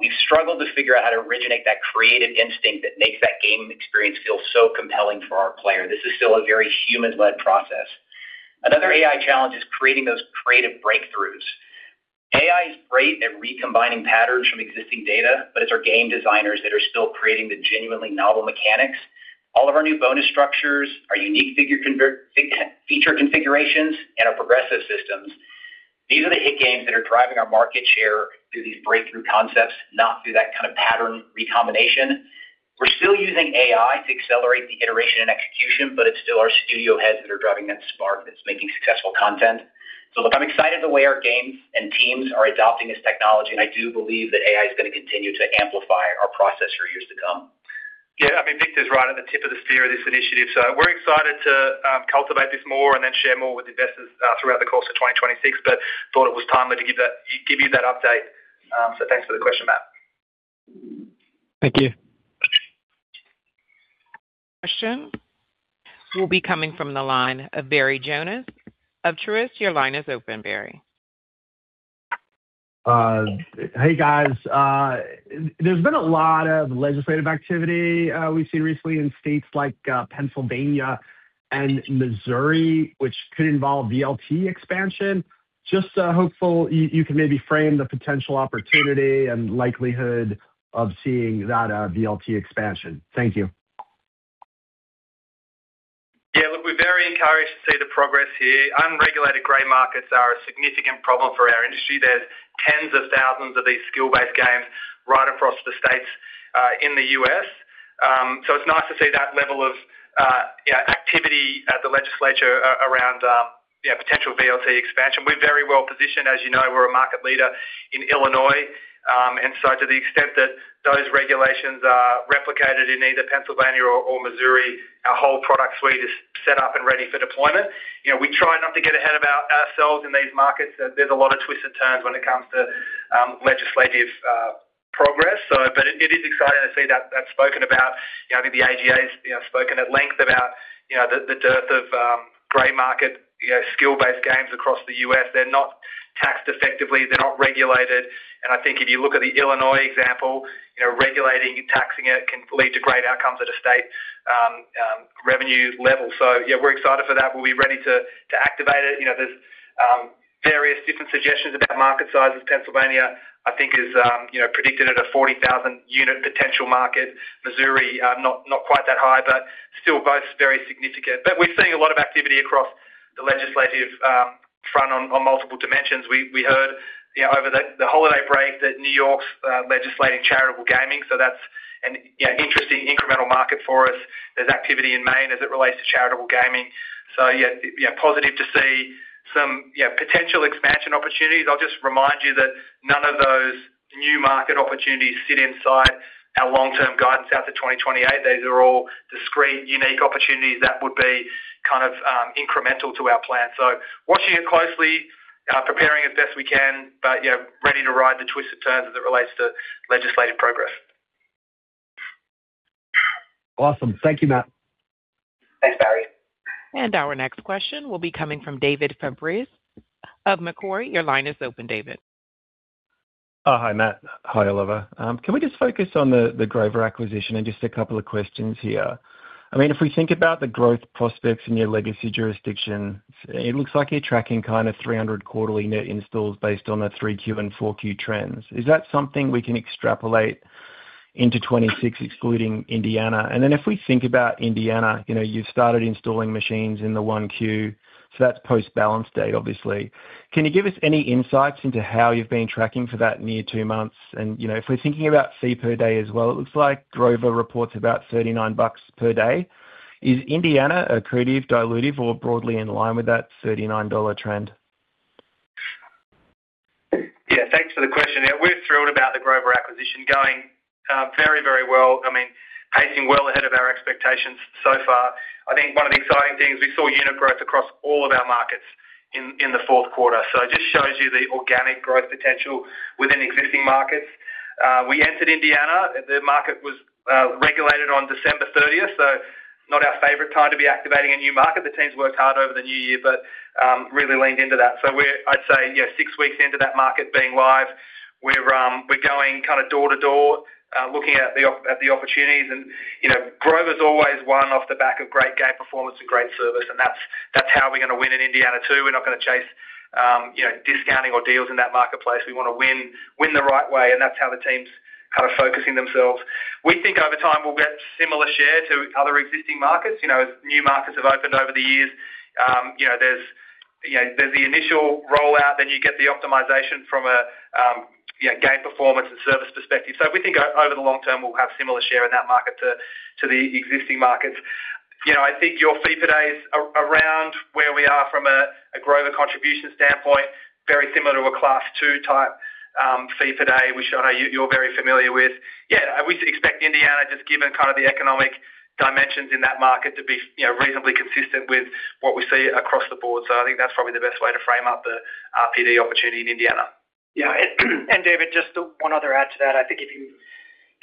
we've struggled to figure out how to originate that creative instinct that makes that gaming experience feel so compelling for our player. This is still a very human-led process. Another AI challenge is creating those creative breakthroughs. AI is great at recombining patterns from existing data, but it's our game designers that are still creating the genuinely novel mechanics. All of our new bonus structures, our unique figure feature configurations, and our progressive systems, these are the hit games that are driving our market share through these breakthrough concepts, not through that kind of pattern recombination. We're still using AI to accelerate the iteration and execution, but it's still our studio heads that are driving that spark that's making successful content. Look, I'm excited the way our games and teams are adopting this technology, and I do believe that AI is going to continue to amplify our process for years to come. Yeah, I mean, Victor's right on the tip of the spear of this initiative, so we're excited to cultivate this more and then share more with investors throughout the course of 2026. Thought it was timely to give you that update. Thanks for the question, Matt. Thank you. Question will be coming from the line of Barry Jonas of Truist. Your line is open, Barry. Hey, guys. There's been a lot of legislative activity, we've seen recently in states like Pennsylvania and Missouri, which could involve VLT expansion. Just hopeful you can maybe frame the potential opportunity and likelihood of seeing that VLT expansion? Thank you. Yeah, look, we're very encouraged to see the progress here. Unregulated gray markets are a significant problem for our industry. There's tens of thousands of these skill-based games right across the states in the U.S. It's nice to see that level of activity at the legislature around potential VLT expansion. We're very well-positioned. As you know, we're a market leader in Illinois. To the extent that those regulations are replicated in either Pennsylvania or Missouri, our whole product suite is set up and ready for deployment. You know, we try not to get ahead of ourselves in these markets. There's a lot of twists and turns when it comes to legislative progress. But it is exciting to see that that's spoken about. You know, I think the AGS, you know, spoken at length about, you know, the dearth of gray market, you know, skill-based games across the U.S. They're not taxed effectively, they're not regulated. I think if you look at the Illinois example, you know, regulating and taxing it can lead to great outcomes at a state revenue level. Yeah, we're excited for that. We'll be ready to activate it. You know, there's various different suggestions about market size as Pennsylvania, I think, is, you know, predicted at a 40,000 unit potential market. Missouri, not quite that high, but still both very significant. We're seeing a lot of activity across the legislative front on multiple dimensions. We heard, you know, over the holiday break that New York's legislating charitable gaming, that's an, you know, interesting incremental market for us. There's activity in Maine as it relates to charitable gaming. Yeah, yeah, positive to see some potential expansion opportunities. I'll just remind you that none of those new market opportunities sit inside our long-term guidance out to 2028. These are all discrete, unique opportunities that would be kind of incremental to our plan. Watching it closely, preparing as best we can, but, you know, ready to ride the twists and turns as it relates to legislative progress. Awesome. Thank you, Matt. Thanks, Barry. Our next question will be coming from David Fabris of Macquarie. Your line is open, David. Hi, Matt. Hi, Oliver. Can we just focus on the Grover acquisition and just a couple of questions here? I mean, if we think about the growth prospects in your legacy jurisdictions, it looks like you're tracking kind of 300 quarterly net installs based on the 3Q and 4Q trends. Is that something we can extrapolate into 2026, excluding Indiana? If we think about Indiana, you know, you've started installing machines in the 1Q, so that's post-balance date, obviously. Can you give us any insights into how you've been tracking for that near 2 months? You know, if we're thinking about fee per day as well, it looks like Grover reports about $39 per day. Is Indiana accretive, dilutive, or broadly in line with that $39 trend? Yeah, thanks for the question. Yeah, we're thrilled about the Grover acquisition going very, very well. I mean, pacing well ahead of our expectations so far. I think one of the exciting things, we saw unit growth across all of our markets in the fourth quarter. It just shows you the organic growth potential within existing markets. We entered Indiana. The market was regulated on December 30th, not our favorite time to be activating a new market. The team's worked hard over the new year, but really leaned into that. I'd say, yeah, six weeks into that market being live, we're going kind of door-to-door, looking at the opportunities. You know, Grover's always won off the back of great game performance and great service, and that's how we're going to win in Indiana, too. We're not going to chase, you know, discounting or deals in that marketplace. We want to win the right way, and that's how the team's kind of focusing themselves. We think over time, we'll get similar share to other existing markets. You know, as new markets have opened over the years, you know, there's, you know, there's the initial rollout, then you get the optimization from a game performance and service perspective. We think over the long term, we'll have similar share in that market to the existing markets. You know, I think your fee per day is around where we are from a Grover contribution standpoint, very similar to a Class II type fee per day, which I know you're very familiar with. Yeah, we expect Indiana, just given kind of the economic dimensions in that market, to be, you know, reasonably consistent with what we see across the board. I think that's probably the best way to frame up the RPD opportunity in Indiana. Yeah, David, just one other add to that. I think if you,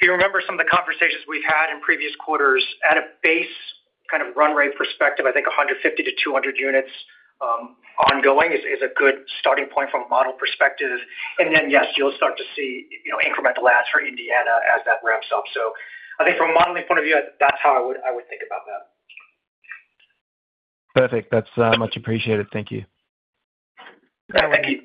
if you remember some of the conversations we've had in previous quarters at a base kind of run rate perspective, I think 150-200 units ongoing is a good starting point from a model perspective. Yes, you'll start to see, you know, incremental adds for Indiana as that ramps up. I think from a modeling point of view, that's how I would think about that. Perfect. That's much appreciated. Thank you. Thank you.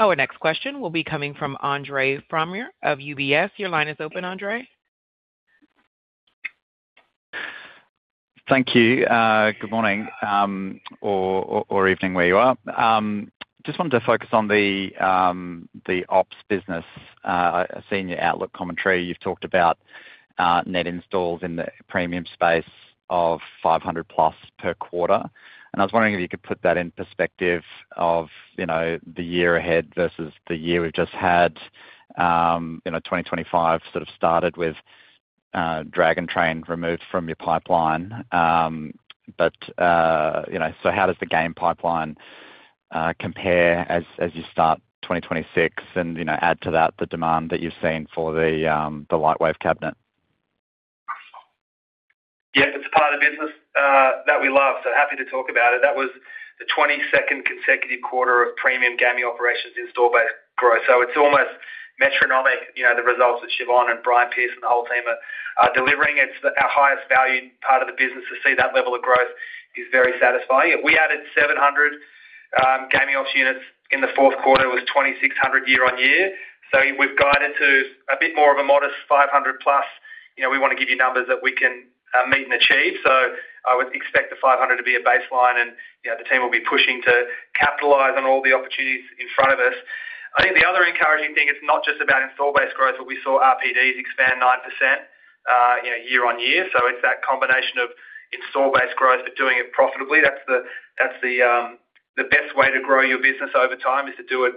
Our next question will be coming from Andre Fromyhr of UBS. Your line is open, Andre. Thank you. Good morning, or evening, where you are. Just wanted to focus on the ops business, senior outlook commentary. You've talked about net installs in the premium space of 500+ per quarter, and I was wondering if you could put that in perspective of, you know, the year ahead versus the year we've just had, you know, 2025 sort of started with Dragon Train removed from your pipeline. How does the game pipeline compare as you start 2026 and, you know, add to that the demand that you've seen for the LightWave cabinet? Yeah, it's a part of the business that we love, so happy to talk about it. That was the 22nd consecutive quarter of premium gaming operations install base growth. It's almost metronomic, you know, the results that Siobhan Lane and Brian Pierce and the whole team are delivering. It's our highest valued part of the business to see that level of growth is very satisfying. We added 700 gaming ops units in the fourth quarter. It was 2,600 year-on-year. We've guided to a bit more of a modest 500+. You know, we want to give you numbers that we can meet and achieve. I would expect the 500 to be a baseline and, you know, the team will be pushing to capitalize on all the opportunities in front of us. I think the other encouraging thing, it's not just about install base growth, but we saw RPDs expand 9%, you know, year-on-year. It's that combination of install base growth, but doing it profitably. That's the, that's the best way to grow your business over time, is to do it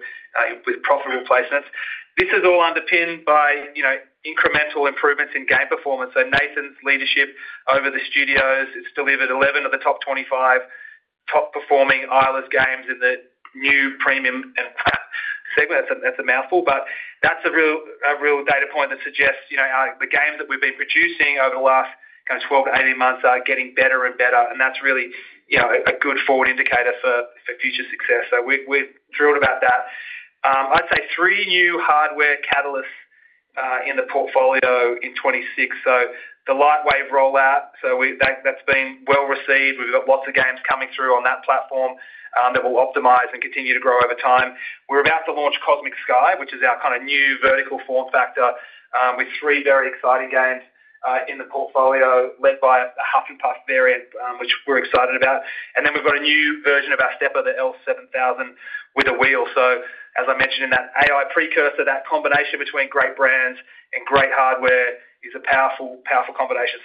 with profitable placements. This is all underpinned by, you know, incremental improvements in game performance. Nathan's leadership over the studios has delivered 11 of the top 25 top-performing Eilers games in the new premium segment. That's a mouthful, but that's a real data point that suggests, you know, the games that we've been producing over the last kind of 12 to 18 months are getting better and better, and that's really, you know, a good forward indicator for future success. We're thrilled about that. I'd say three new hardware catalysts in the portfolio in 2026. The LightWave rollout, that's been well received. We've got lots of games coming through on that platform that will optimize and continue to grow over time. We're about to launch Cosmic Sky, which is our kind of new vertical form factor with three very exciting games in the portfolio, led by a HUFF N' PUFF variant which we're excited about. We've got a new version of our stepper, the LANDMARK 7000, with a wheel. As I mentioned in that AI precursor, that combination between great brands and great hardware is a powerful combination.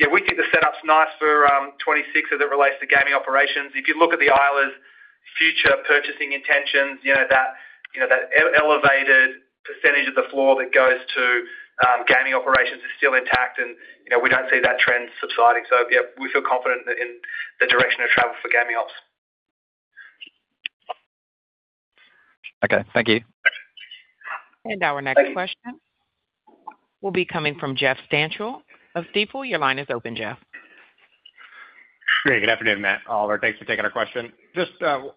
Yeah, we think the setup's nice for 2026 as it relates to gaming operations. If you look at the Eilers-Fantini future purchasing intentions, you know, that, you know, that elevated percentage of the floor that goes to gaming operations is still intact. You know, we don't see that trend subsiding. Yeah, we feel confident in the direction of travel for gaming ops. Okay, thank you. Our next question will be coming from Jeffrey Stantial of Stifel. Your line is open, Jeff. Great. Good afternoon, Matt, Oliver. Thanks for taking our question. Just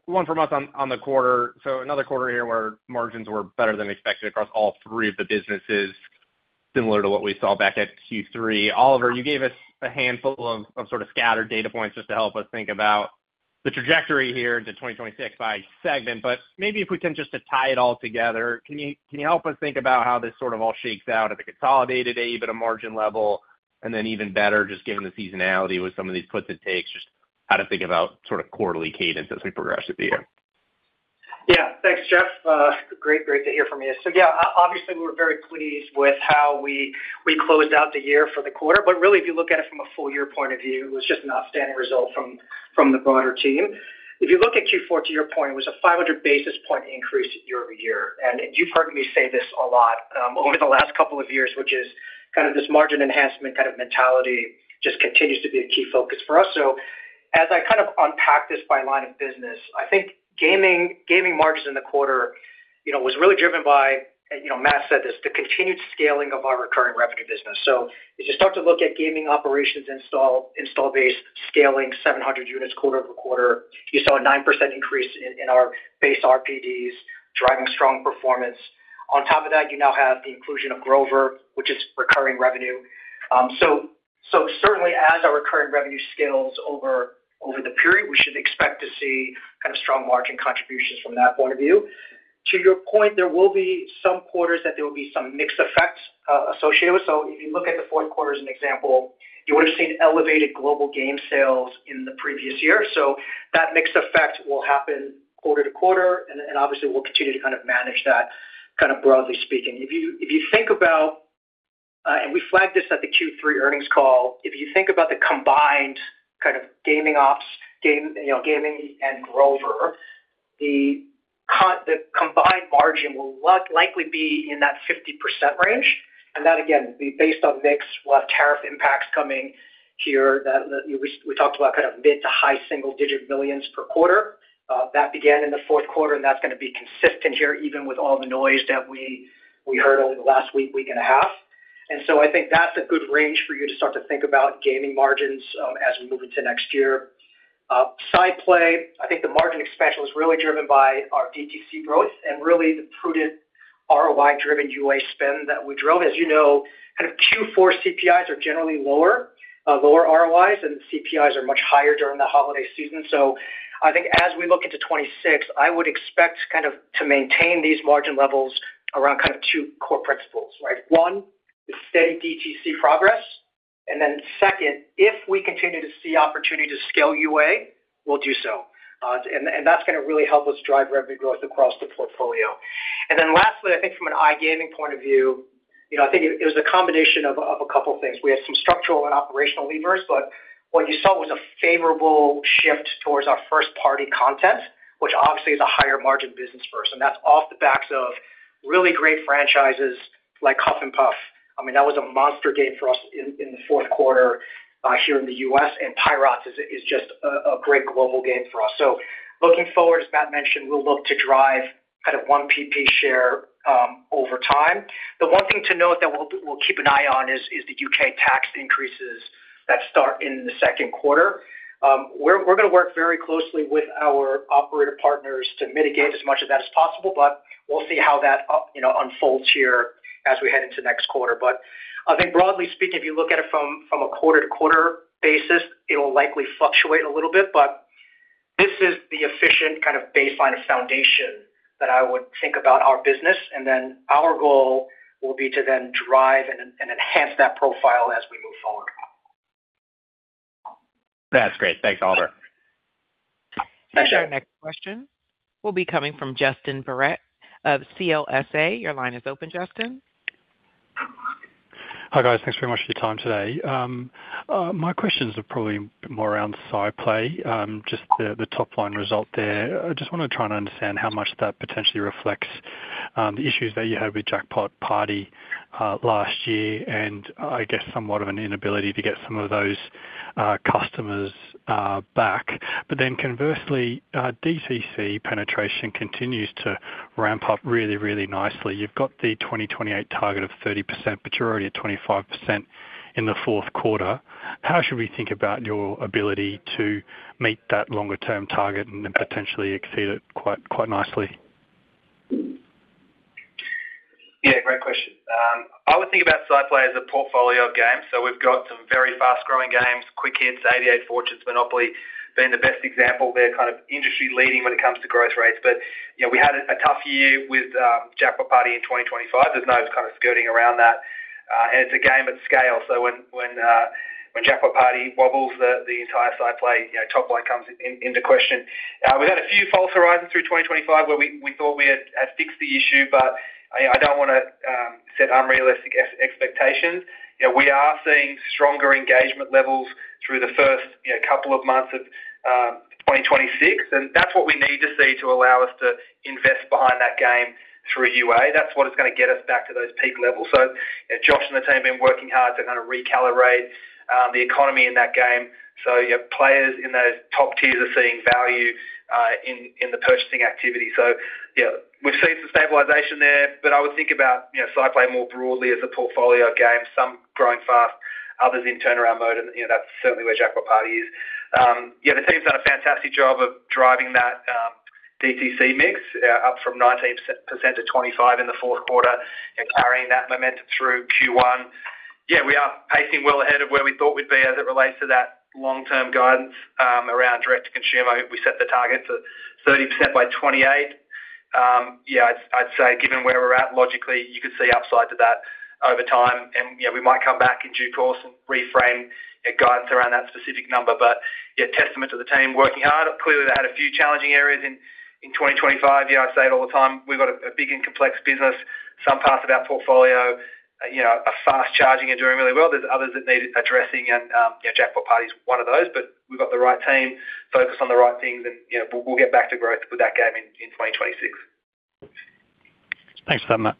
one for Matt on the quarter. Another quarter here where margins were better than expected across all three of the businesses, similar to what we saw back at Q3. Oliver, you gave us a handful of sort of scattered data points just to help us think about the trajectory here into 2026 by segment. Maybe if we can just to tie it all together, can you help us think about how this sort of all shakes out at the consolidated EBITDA margin level, and then even better, just given the seasonality with some of these puts and takes, just how to think about sort of quarterly cadence as we progress through the year? Yeah. Thanks, Jeff. Yeah, obviously, we're very pleased with how we closed out the year for the quarter. Really, if you look at it from a full year point of view, it was just an outstanding result from the broader team. If you look at Q4, to your point, it was a 500 basis point increase year-over-year. You've heard me say this a lot, over the last couple of years, which is kind of this margin enhancement kind of mentality just continues to be a key focus for us. As I kind of unpack this by line of business, I think gaming margins in the quarter, you know, was really driven by, you know, Matt said this, the continued scaling of our recurring revenue business. As you start to look at gaming operations, install base, scaling 700 units quarter-over-quarter, you saw a 9% increase in our base RPDs, driving strong performance. On top of that, you now have the inclusion of Grover, which is recurring revenue. Certainly, as our recurring revenue scales over the period, we should expect to see strong margin contributions from that point of view. To your point, there will be some quarters that there will be some mixed effects associated with. If you look at the fourth quarter as an example, you would have seen elevated global game sales in the previous year. That mixed effect will happen quarter to quarter, and obviously, we'll continue to manage that, broadly speaking. If you think about, and we flagged this at the Q3 earnings call, if you think about the combined kind of gaming ops, gaming and Grover, the combined margin will likely be in that 50% range, and that, again, be based on mix. We'll have tariff impacts coming here that we talked about kind of mid to high single-digit millions per quarter. That began in the fourth quarter, and that's going to be consistent here, even with all the noise that we heard over the last week and a half. I think that's a good range for you to start to think about gaming margins as we move into next year. SciPlay, I think the margin expansion was really driven by our DTC growth and really the prudent ROI-driven UA spend that we drove. As you know, kind of Q4 CPIs are generally lower ROIs, and CPIs are much higher during the holiday season. I think as we look into 2026, I would expect kind of to maintain these margin levels around kind of two core principles, right? One, the steady DTC progress, and then second, if we continue to see opportunity to scale UA, we'll do so. And that's going to really help us drive revenue growth across the portfolio. Lastly, I think from an iGaming point of view, you know, I think it was a combination of a couple of things. We had some structural and operational levers, but what you saw was a favorable shift towards our first-party content, which obviously is a higher margin business for us, and that's off the backs of really great franchises like HUFF N' PUFF. I mean, that was a monster game for us in the fourth quarter here in the U.S., and PIROTS is just a great global game for us. Looking forward, as Matt mentioned, we'll look to drive kind of 1PP share over time. The one thing to note that we'll keep an eye on is the U.K. tax increases that start in the second quarter. We're going to work very closely with our operator partners to mitigate as much of that as possible, but we'll see how that, you know, unfolds here as we head into next quarter. I think broadly speaking, if you look at it from a quarter-to-quarter basis, it'll likely fluctuate a little bit, but this is the efficient kind of baseline of foundation that I would think about our business, and then our goal will be to then drive and enhance that profile as we move forward. That's great. Thanks, Oliver. Our next question will be coming from Justin Barratt of CLSA. Your line is open, Justin. Hi, guys. Thanks very much for your time today. My questions are probably more around SciPlay, just the top-line result there. I just want to try and understand how much that potentially reflects the issues that you had with Jackpot Party last year, and I guess somewhat of an inability to get some of those customers back. Conversely, DCC penetration continues to ramp up really, really nicely. You've got the 2028 target of 30%, but you're already at 25% in the fourth quarter. How should we think about your ability to meet that longer-term target and then potentially exceed it quite nicely? Yeah, great question. I would think about SciPlay as a portfolio of games. We've got some very fast-growing games, Quick Hits, 88 Fortunes, Monopoly being the best example. They're kind of industry-leading when it comes to growth rates, but, you know, we had a tough year with Jackpot Party in 2025. There's no kind of skirting around that, and it's a game of scale. When Jackpot Party wobbles, the entire SciPlay, you know, top-line comes into question. We've had a few false horizons through 2025, where we thought we had fixed the issue, but I don't want to set unrealistic expectations. You know, we are seeing stronger engagement levels through the first, you know, couple of months of 2026, and that's what we need to see to allow us to invest behind that game through UA. That's what is going to get us back to those peak levels. Josh and the team have been working hard to kind of recalibrate the economy in that game. You have players in those top tiers are seeing value in the purchasing activity. Yeah, we've seen some stabilization there. I would think about, you know, SciPlay more broadly as a portfolio of games, some growing fast, others in turnaround mode, you know, that's certainly where Jackpot Party is. The team's done a fantastic job of driving that DTC mix up from 19% to 25% in the fourth quarter and carrying that momentum through Q1. We are pacing well ahead of where we thought we'd be as it relates to that long-term guidance around Direct-to-Consumer. We set the target to 30% by 2028. I'd say given where we're at, logically, you could see upside to that over time, and, you know, we might come back in due course and reframe the guidance around that specific number. Testament to the team working hard. Clearly, they had a few challenging areas in 2025. I say it all the time, we've got a big and complex business. Some parts of our portfolio, you know, are fast charging and doing really well. There's others that need addressing, and, yeah, Jackpot Party is one of those. We've got the right team focused on the right things, and, you know, we'll get back to growth with that game in 2026. Thanks for that, Matt.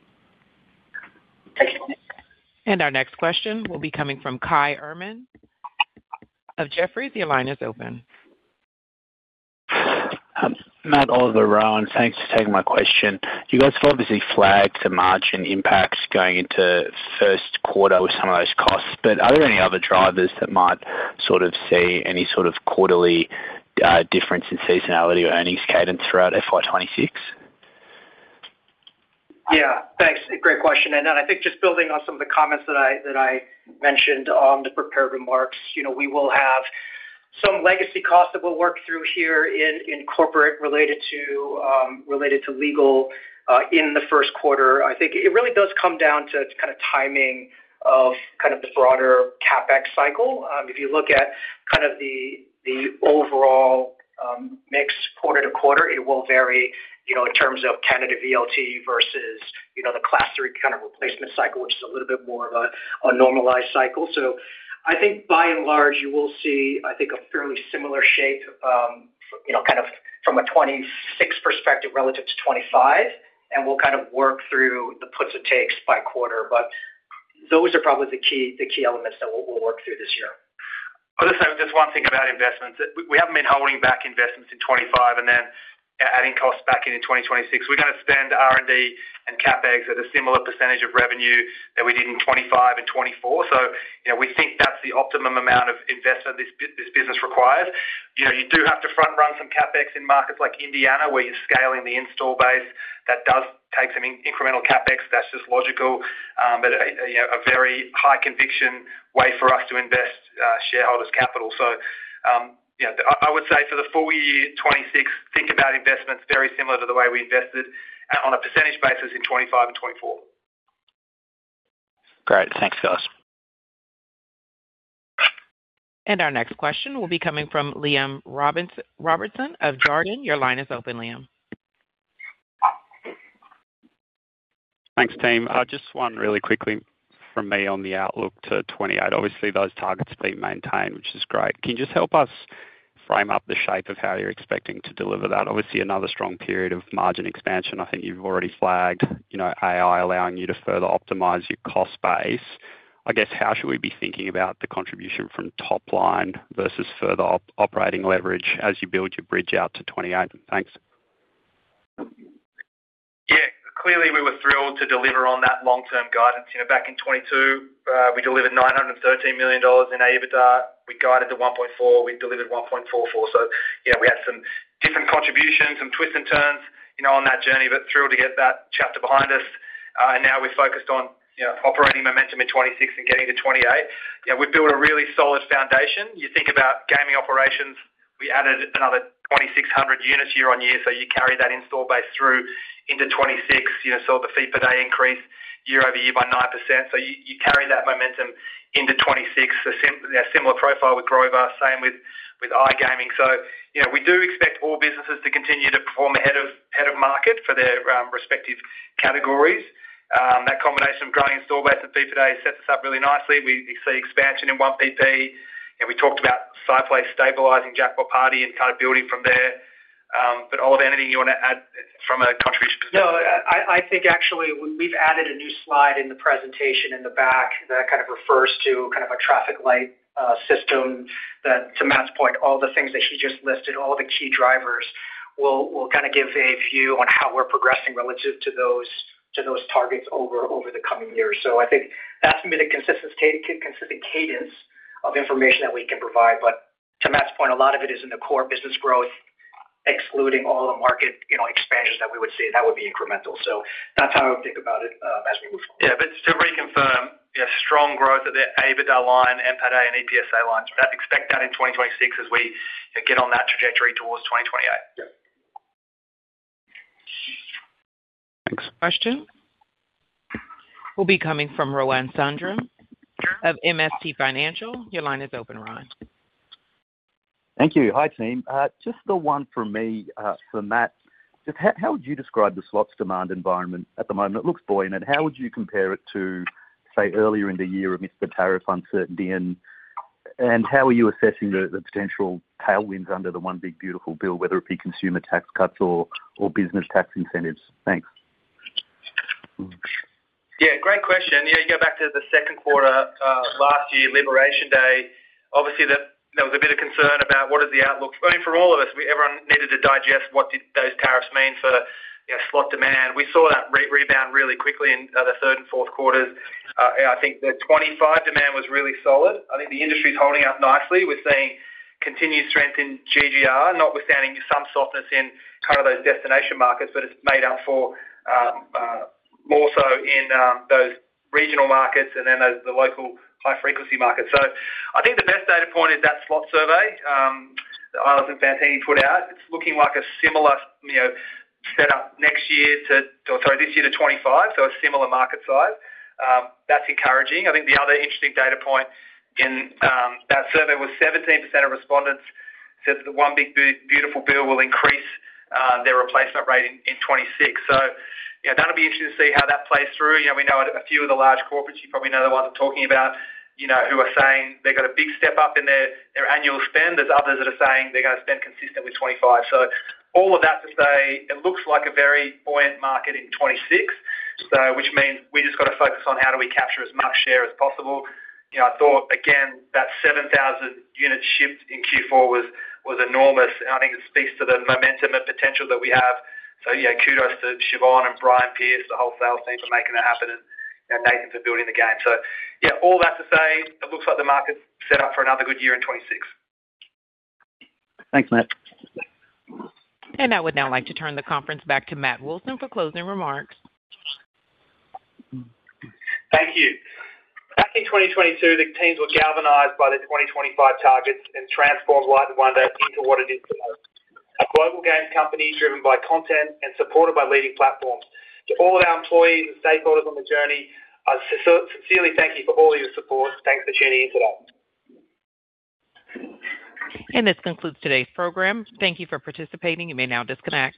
Our next question will be coming from David Katz of Jefferies. Your line is open. Matt, Oliver, Rohan, thanks for taking my question. You guys have obviously flagged some margin impacts going into first quarter with some of those costs, but are there any other drivers that might sort of see any sort of quarterly difference in seasonality or earnings cadence throughout FY 2026? Yeah, thanks. Great question. I think just building on some of the comments that I mentioned on the prepared remarks, you know, we will have some legacy costs that we'll work through here in corporate related to legal in the first quarter. I think it really does come down to kind of timing of kind of the broader CapEx cycle. If you look at kind of the overall mix quarter to quarter, it will vary, you know, in terms of Canada VLT versus, you know, the Class III kind of replacement cycle, which is a little bit more of a normalized cycle. I think by and large, you will see, I think, a fairly similar shape, you know, kind of from a 2026 perspective relative to 2025, and we'll kind of work through the puts or takes by quarter. Those are probably the key, the key elements that we'll work through this year. Well, listen, just one thing about investments. We haven't been holding back investments in 2025 and then adding costs back in in 2026. We're gonna spend R&D and CapEx at a similar % of revenue that we did in 2025 and 2024. You know, we think that's the optimum amount of investment this business requires. You know, you do have to front-run some CapEx in markets like Indiana, where you're scaling the install base. That does take some incremental CapEx. That's just logical, but a, you know, a very high conviction way for us to invest shareholders' capital. You know, I would say for the full year, 2026, think about investments very similar to the way we invested on a percentage basis in 2025 and 2024. Great. Thanks, guys. Our next question will be coming from Liam Robertson of Jarden. Your line is open, Liam. Thanks, team. Just one really quickly from me on the outlook to 2028. Obviously, those targets have been maintained, which is great. Can you just help us frame up the shape of how you're expecting to deliver that? Obviously, another strong period of margin expansion. I think you've already flagged, you know, AI allowing you to further optimize your cost base. I guess, how should we be thinking about the contribution from top-line versus further operating leverage as you build your bridge out to 2028? Thanks. Clearly, we were thrilled to deliver on that long-term guidance. You know, back in 2022, we delivered $913 million in EBITDA. We guided to $1.4, we delivered $1.44. We had some different contributions, some twists and turns, you know, on that journey, but thrilled to get that chapter behind us. Now we're focused on, you know, operating momentum in 2026 and getting to 2028. We've built a really solid foundation. You think about gaming operations, we added another 2,600 units year-over-year, you carry that install base through into 2026. You know, saw the fee per day increase year-over-year by 9%, you carry that momentum into 2026. A similar profile with Grover, same with iGaming. You know, we do expect all businesses to continue to perform ahead of, ahead of market for their respective categories. That combination of growing install base and fee per day sets us up really nicely. We see expansion in 1PP, and we talked about SciPlay stabilizing Jackpot Party and kind of building from there. Olive, anything you want to add from a contribution perspective? No, I think actually we've added a new slide in the presentation in the back that kind of refers to kind of a traffic light system, that to Matt's point, all the things that he just listed, all the key drivers, will kind of give a view on how we're progressing relative to those targets over the coming years. I think that's been a consistent cadence of information that we can provide. To Matt's point, a lot of it is in the core business growth, excluding all the market, you know, expansions that we would see. That would be incremental. That's how I would think about it as we move forward. Yeah, to reconfirm, you know, strong growth of the EBITDA line, NPATA and EPSa lines. Expect that in 2026 as we get on that trajectory towards 2028. Yeah. Next question will be coming from Rohan Sundram of MST Financial. Your line is open, Rohan. Thank you. Hi, team. Just the one from me, for Matt. Just how would you describe the slots demand environment at the moment? It looks buoyant, how would you compare it to, say, earlier in the year amidst the tariff uncertainty? How are you assessing the potential tailwinds under the One Big Beautiful Bill, whether it be consumer tax cuts or business tax incentives? Thanks. Yeah, great question. You know, you go back to the second quarter last year, Liberation Day, obviously, that there was a bit of concern about what is the outlook. I mean, for all of us, everyone needed to digest what did those tariffs mean for, you know, slot demand. We saw that rebound really quickly in the third and fourth quarters. I think the 2025 demand was really solid. I think the industry is holding up nicely. We're seeing continued strength in GGR, notwithstanding some softness in kind of those destination markets, it's made up for more so in those regional markets and then the local high-frequency markets. I think the best data point is that slot survey that Eilers-Fantini put out. It's looking like a similar, you know, set up next year to, or sorry, this year to 2025, so a similar market size. That's encouraging. I think the other interesting data point in that survey was 17% of respondents said that the One Big Beautiful Bill will increase their replacement rate in 2026. You know, that'll be interesting to see how that plays through. You know, we know a few of the large corporates, you probably know the ones I'm talking about, you know, who are saying they've got a big step up in their annual spend. There's others that are saying they're gonna spend consistent with 2025. All of that to say, it looks like a very buoyant market in 2026, so which means we just got to focus on how do we capture as much share as possible. You know, I thought, again, that 7,000 units shipped in Q4 was enormous, and I think it speaks to the momentum and potential that we have. Kudos to Siobhan Lane and Brian Pierce, the wholesale team, for making that happen, and Nathan for building the game. All that to say, it looks like the market's set up for another good year in 2026. Thanks, Matt. I would now like to turn the conference back to Matt Wilson for closing remarks. Thank you. Back in 2022, the teams were galvanized by the 2025 targets and transformed Light & Wonder into what it is today, a global game company driven by content and supported by leading platforms. To all of our employees and stakeholders on the journey, I sincerely thank you for all your support. Thanks for tuning in today. This concludes today's program. Thank you for participating. You may now disconnect.